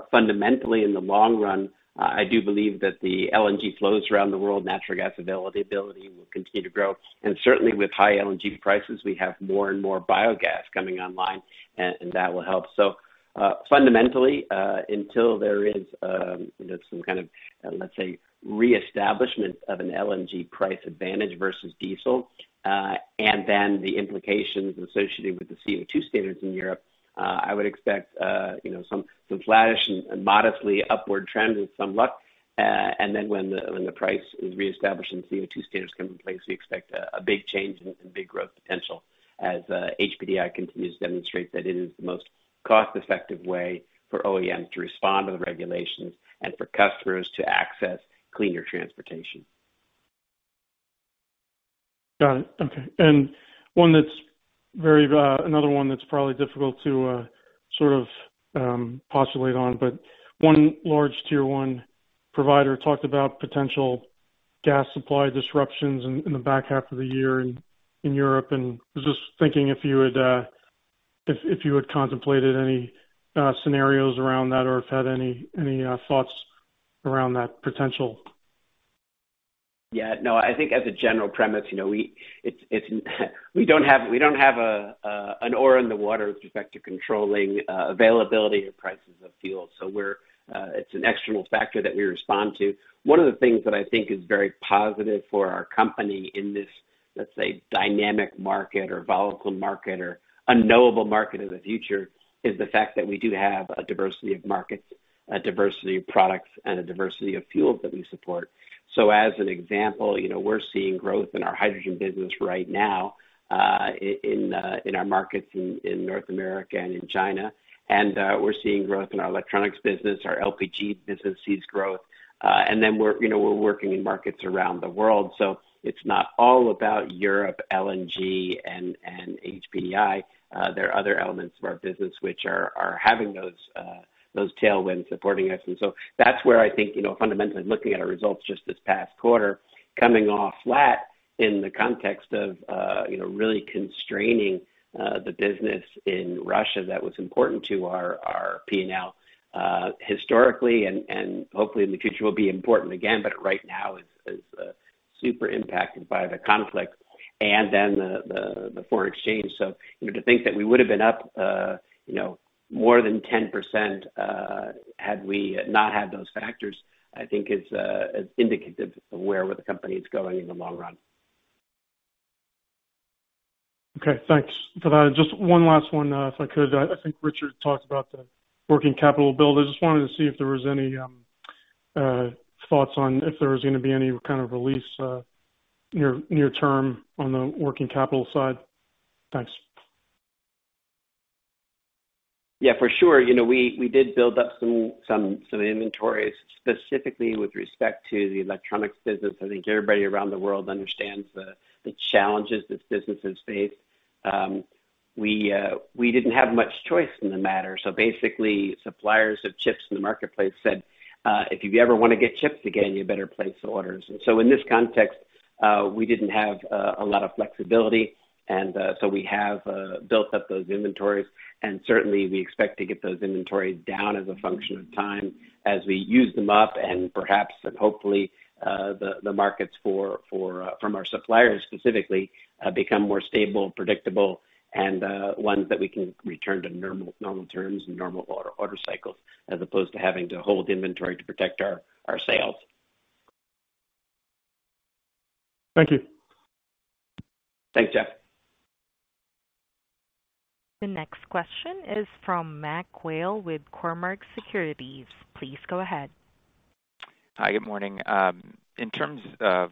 Fundamentally, in the long run, I do believe that the LNG flows around the world, natural gas availability will continue to grow. Certainly with high LNG prices, we have more and more biogas coming online and that will help. Fundamentally, until there is, you know, some kind of, let's say, reestablishment of an LNG price advantage versus diesel, and then the implications associated with the CO2 standards in Europe, I would expect, you know, some flattish and modestly upward trend with some luck. When the price is reestablished and CO2 standards come in place, we expect a big change and big growth potential as HPDI continues to demonstrate that it is the most cost-effective way for OEMs to respond to the regulations and for customers to access cleaner transportation. Got it. Okay. Another one that's probably difficult to sort of postulate on, but one large tier one provider talked about potential gas supply disruptions in the back half of the year in Europe, and I was just thinking if you had contemplated any scenarios around that or if you had any thoughts around that potential. Yeah. No, I think as a general premise, you know, we don't have an oar in the water with respect to controlling availability or prices of fuel. So, it's an external factor that we respond to. One of the things that I think is very positive for our company in this, let's say, dynamic market or volatile market or unknowable market of the future, is the fact that we do have a diversity of markets, a diversity of products, and a diversity of fuels that we support. So as an example, you know, we're seeing growth in our Hydrogen business right now in our markets in North America and in China. We're seeing growth in our Electronics business. Our LPG business sees growth. We're, you know, working in markets around the world. It's not all about Europe, LNG, and HPDI. There are other elements of our business which are having those tailwinds supporting us. That's where I think, you know, fundamentally looking at our results just this past quarter, coming off flat in the context of, you know, really constraining the business in Russia that was important to our P&L historically, and hopefully in the future will be important again, but right now is super impacted by the conflict and then the foreign exchange. You know, to think that we would have been up, you know, more than 10%, had we not had those factors, I think is indicative of where the company is going in the long run. Okay, thanks for that. Just one last one, if I could. I think Richard talked about the working capital build. I just wanted to see if there was any thoughts on if there was gonna be any kind of release, near term on the working capital side. Thanks. Yeah, for sure. You know, we did build up some inventories specifically with respect to the Electronics business. I think everybody around the world understands the challenges this business has faced. We didn't have much choice in the matter. Basically, suppliers of chips in the marketplace said, "If you ever wanna get chips again, you better place orders." In this context, we didn't have a lot of flexibility and so we have built up those inventories. Certainly, we expect to get those inventories down as a function of time as we use them up and perhaps and hopefully, the markets from our suppliers specifically become more stable and predictable and ones that we can return to normal terms and normal order cycles, as opposed to having to hold inventory to protect our sales. Thank you. Thanks, Jeff. The next question is from Mac Whale with Cormark Securities. Please go ahead. Hi, good morning. In terms of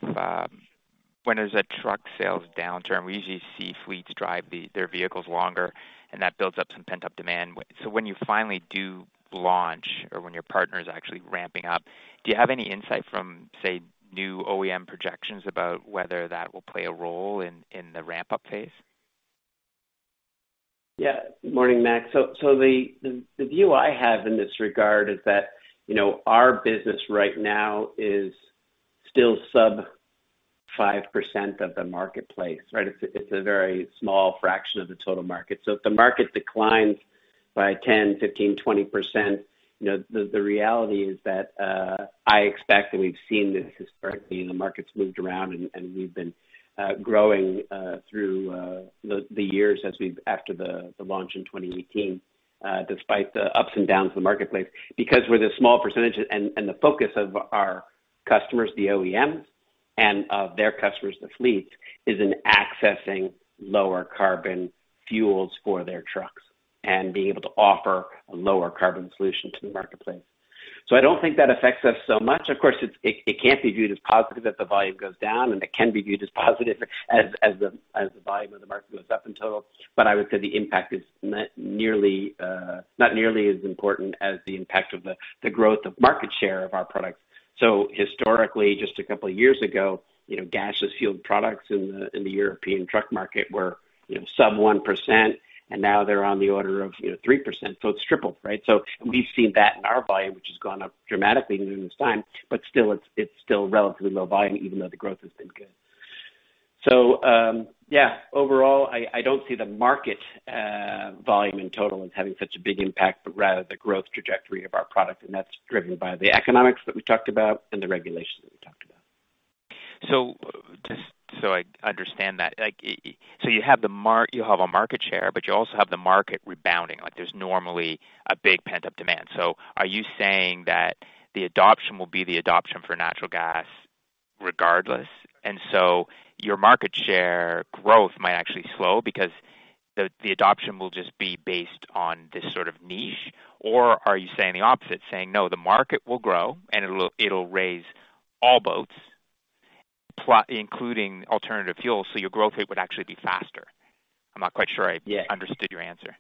when there's a truck sales downturn, we usually see fleets drive their vehicles longer, and that builds up some pent-up demand. When you finally do launch or when your partner is actually ramping up, do you have any insight from, say, new OEM projections about whether that will play a role in the ramp-up phase? Yeah. Good morning, Mac. The view I have in this regard is that, you know, our business right now is still sub 5% of the marketplace, right? It's a very small fraction of the total market. If the market declines by 10, 15, 20%, you know, the reality is that I expect that we've seen this historically and the market's moved around, and we've been growing through the years after the launch in 2018, despite the ups and downs of the marketplace, because we're the small percentage and the focus of our customers, the OEMs, and of their customers, the fleets, is in accessing lower carbon fuels for their trucks and being able to offer a lower carbon solution to the marketplace. I don't think that affects us so much. Of course, it can't be viewed as positive that the volume goes down, and it can be viewed as positive as the volume of the market goes up in total. I would say the impact is not nearly as important as the impact of the growth of market share of our products. Historically, just a couple of years ago, you know, gaseous fueled products in the European truck market were, you know, sub 1%, and now they're on the order of, you know, 3%. It's tripled, right? We've seen that in our volume, which has gone up dramatically during this time, but still it's relatively low volume, even though the growth has been good. Yeah, overall, I don't see the market volume in total as having such a big impact, but rather the growth trajectory of our products, and that's driven by the economics that we talked about and the regulations that we talked about. Just so I understand that, like, so you have a market share, but you also have the market rebounding. Like, there's normally a big pent-up demand. Are you saying that the adoption will be for natural gas regardless, and so your market share growth might actually slow because the adoption will just be based on this sort of niche? Or are you saying the opposite, saying, "No, the market will grow, and it'll raise all boats including alternative fuels, so your growth rate would actually be faster"? I'm not quite sure. Yeah. Understood your answer.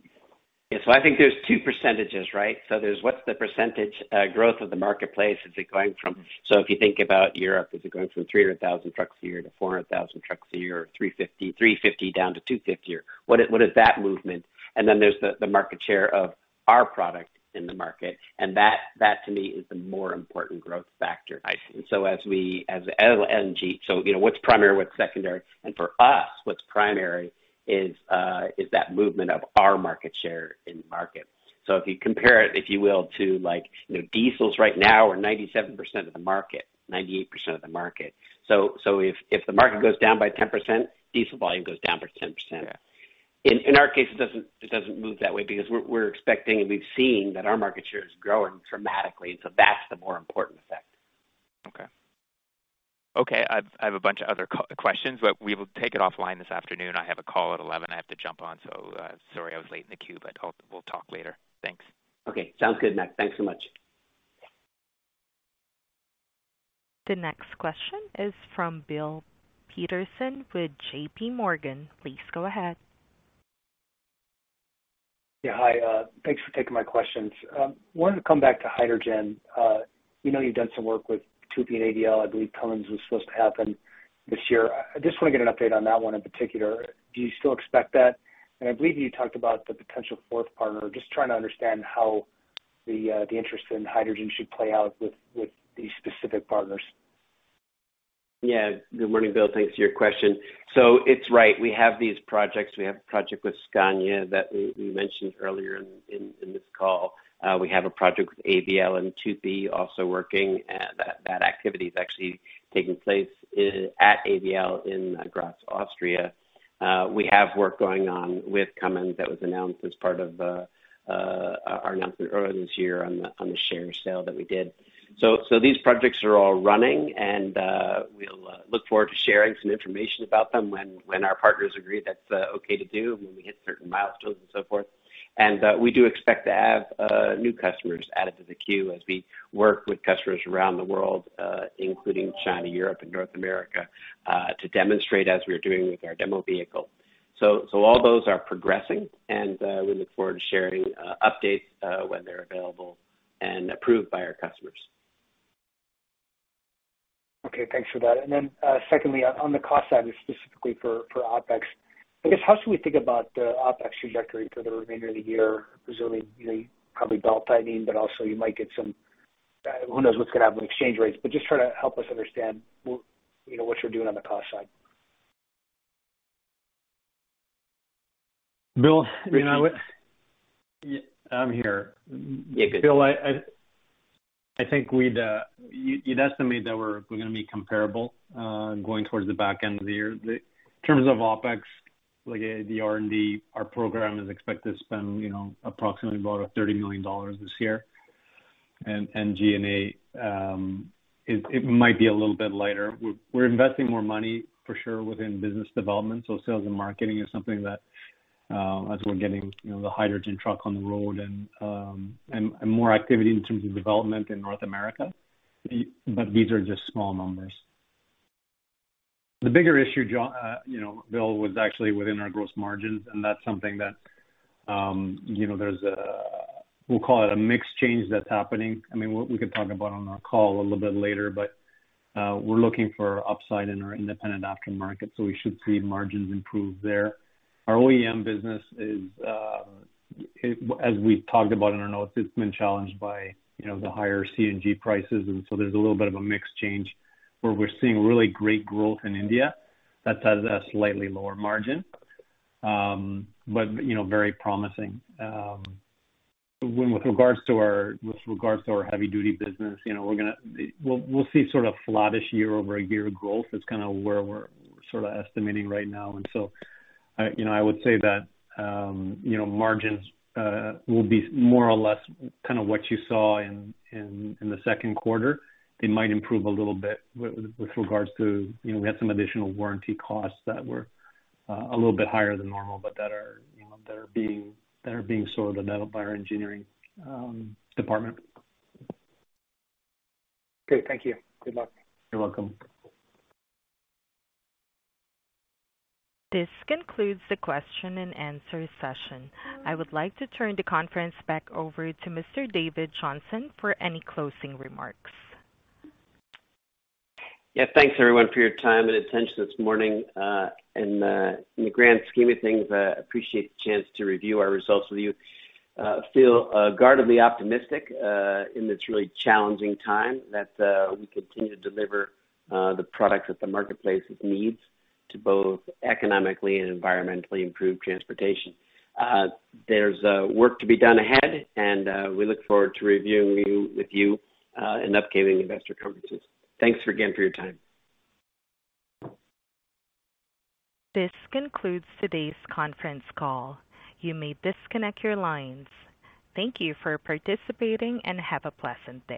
Yeah. I think there's two percentages, right? There's, what's the percentage growth of the marketplace? Is it going from? If you think about Europe, is it going from 300,000 trucks a year to 400,000 trucks a year, or 350 down to 250 a year? What is that movement? Then there's the market share of our product in the market. That to me is the more important growth factor. I see. As we, as LNG, so you know, what's primary, what's secondary? For us, what's primary is that movement of our market share in the market. If you compare it, if you will, to like, you know, diesels right now are 97% of the market, 98% of the market. If the market goes down by 10%, diesel volume goes down by 10%. Yeah. In our case, it doesn't move that way because we're expecting and we've seen that our market share is growing dramatically. That's the more important effect. Okay. I have a bunch of other questions, but we will take it offline this afternoon. I have a call at 11 I have to jump on. Sorry I was late in the queue, but we'll talk later. Thanks. Okay. Sounds good, Mac. Thanks so much. The next question is from Bill Peterson with JPMorgan. Please go ahead. Yeah. Hi. Thanks for taking my questions. Wanted to come back to hydrogen. We know you've done some work with TUPY and AVL. I believe Cummins was supposed to happen this year. I just want to get an update on that one in particular. Do you still expect that? I believe you talked about the potential fourth partner. Just trying to understand how the interest in hydrogen should play out with these specific partners. Yeah. Good morning, Bill. Thanks for your question. It's right. We have these projects. We have a project with Scania that we mentioned earlier in this call. We have a project with AVL and TUPY also working. That activity is actually taking place at AVL in Graz, Austria. We have work going on with Cummins that was announced as part of our announcement earlier this year on the share sale that we did. These projects are all running, and we'll look forward to sharing some information about them when our partners agree that's okay to do, when we hit certain milestones and so forth. We do expect to have new customers added to the queue as we work with customers around the world, including China, Europe, and North America, to demonstrate as we are doing with our demo vehicle. All those are progressing, and we look forward to sharing updates when they're available and approved by our customers. Okay, thanks for that. Secondly, on the cost side, specifically for OpEx, I guess, how should we think about the OpEx trajectory for the remainder of the year? Presumably, you know, probably belt-tightening, but also you might get some, who knows what's gonna happen with exchange rates, but just try to help us understand, you know, what you're doing on the cost side. Bill, you know what? I'm here. Yeah, good. Bill, I think you'd estimate that we're gonna be comparable going towards the back end of the year. In terms of OpEx, like, the R&D, our program is expected to spend, you know, approximately about $30 million this year. G&A, it might be a little bit lighter. We're investing more money for sure within business development. Sales and marketing is something that, as we're getting, you know, the hydrogen truck on the road and more activity in terms of development in North America. These are just small numbers. The bigger issue, John, you know, Bill, was actually within our gross margins, and that's something that, you know, we'll call it a mix change that's happening. I mean, we could talk about on our call a little bit later, but we're looking for upside in our Independent Aftermarket, so we should see margins improve there. Our OEM business is as we've talked about in our notes, it's been challenged by, you know, the higher CNG prices. There's a little bit of a mix change where we're seeing really great growth in India that has a slightly lower margin. You know, very promising. With regards to our Heavy-duty business, you know, we'll see sort of flattish year-over-year growth is kinda where we're sorta estimating right now. You know, I would say that, you know, margins will be more or less kinda what you saw in the second quarter. They might improve a little bit with regards to, you know, we had some additional warranty costs that were a little bit higher than normal, but that are being sorted out by our Engineering department. Great. Thank you. Good luck. You're welcome. This concludes the question and answer session. I would like to turn the conference back over to Mr. David Johnson for any closing remarks. Yeah. Thanks, everyone, for your time and attention this morning. In the grand scheme of things, appreciate the chance to review our results with you. Feel guardedly optimistic in this really challenging time that we continue to deliver the products that the marketplace needs to both economically and environmentally improve transportation. There's work to be done ahead, and we look forward to reviewing with you in upcoming Investor Conferences. Thanks again for your time. This concludes today's conference call. You may disconnect your lines. Thank you for participating and have a pleasant day.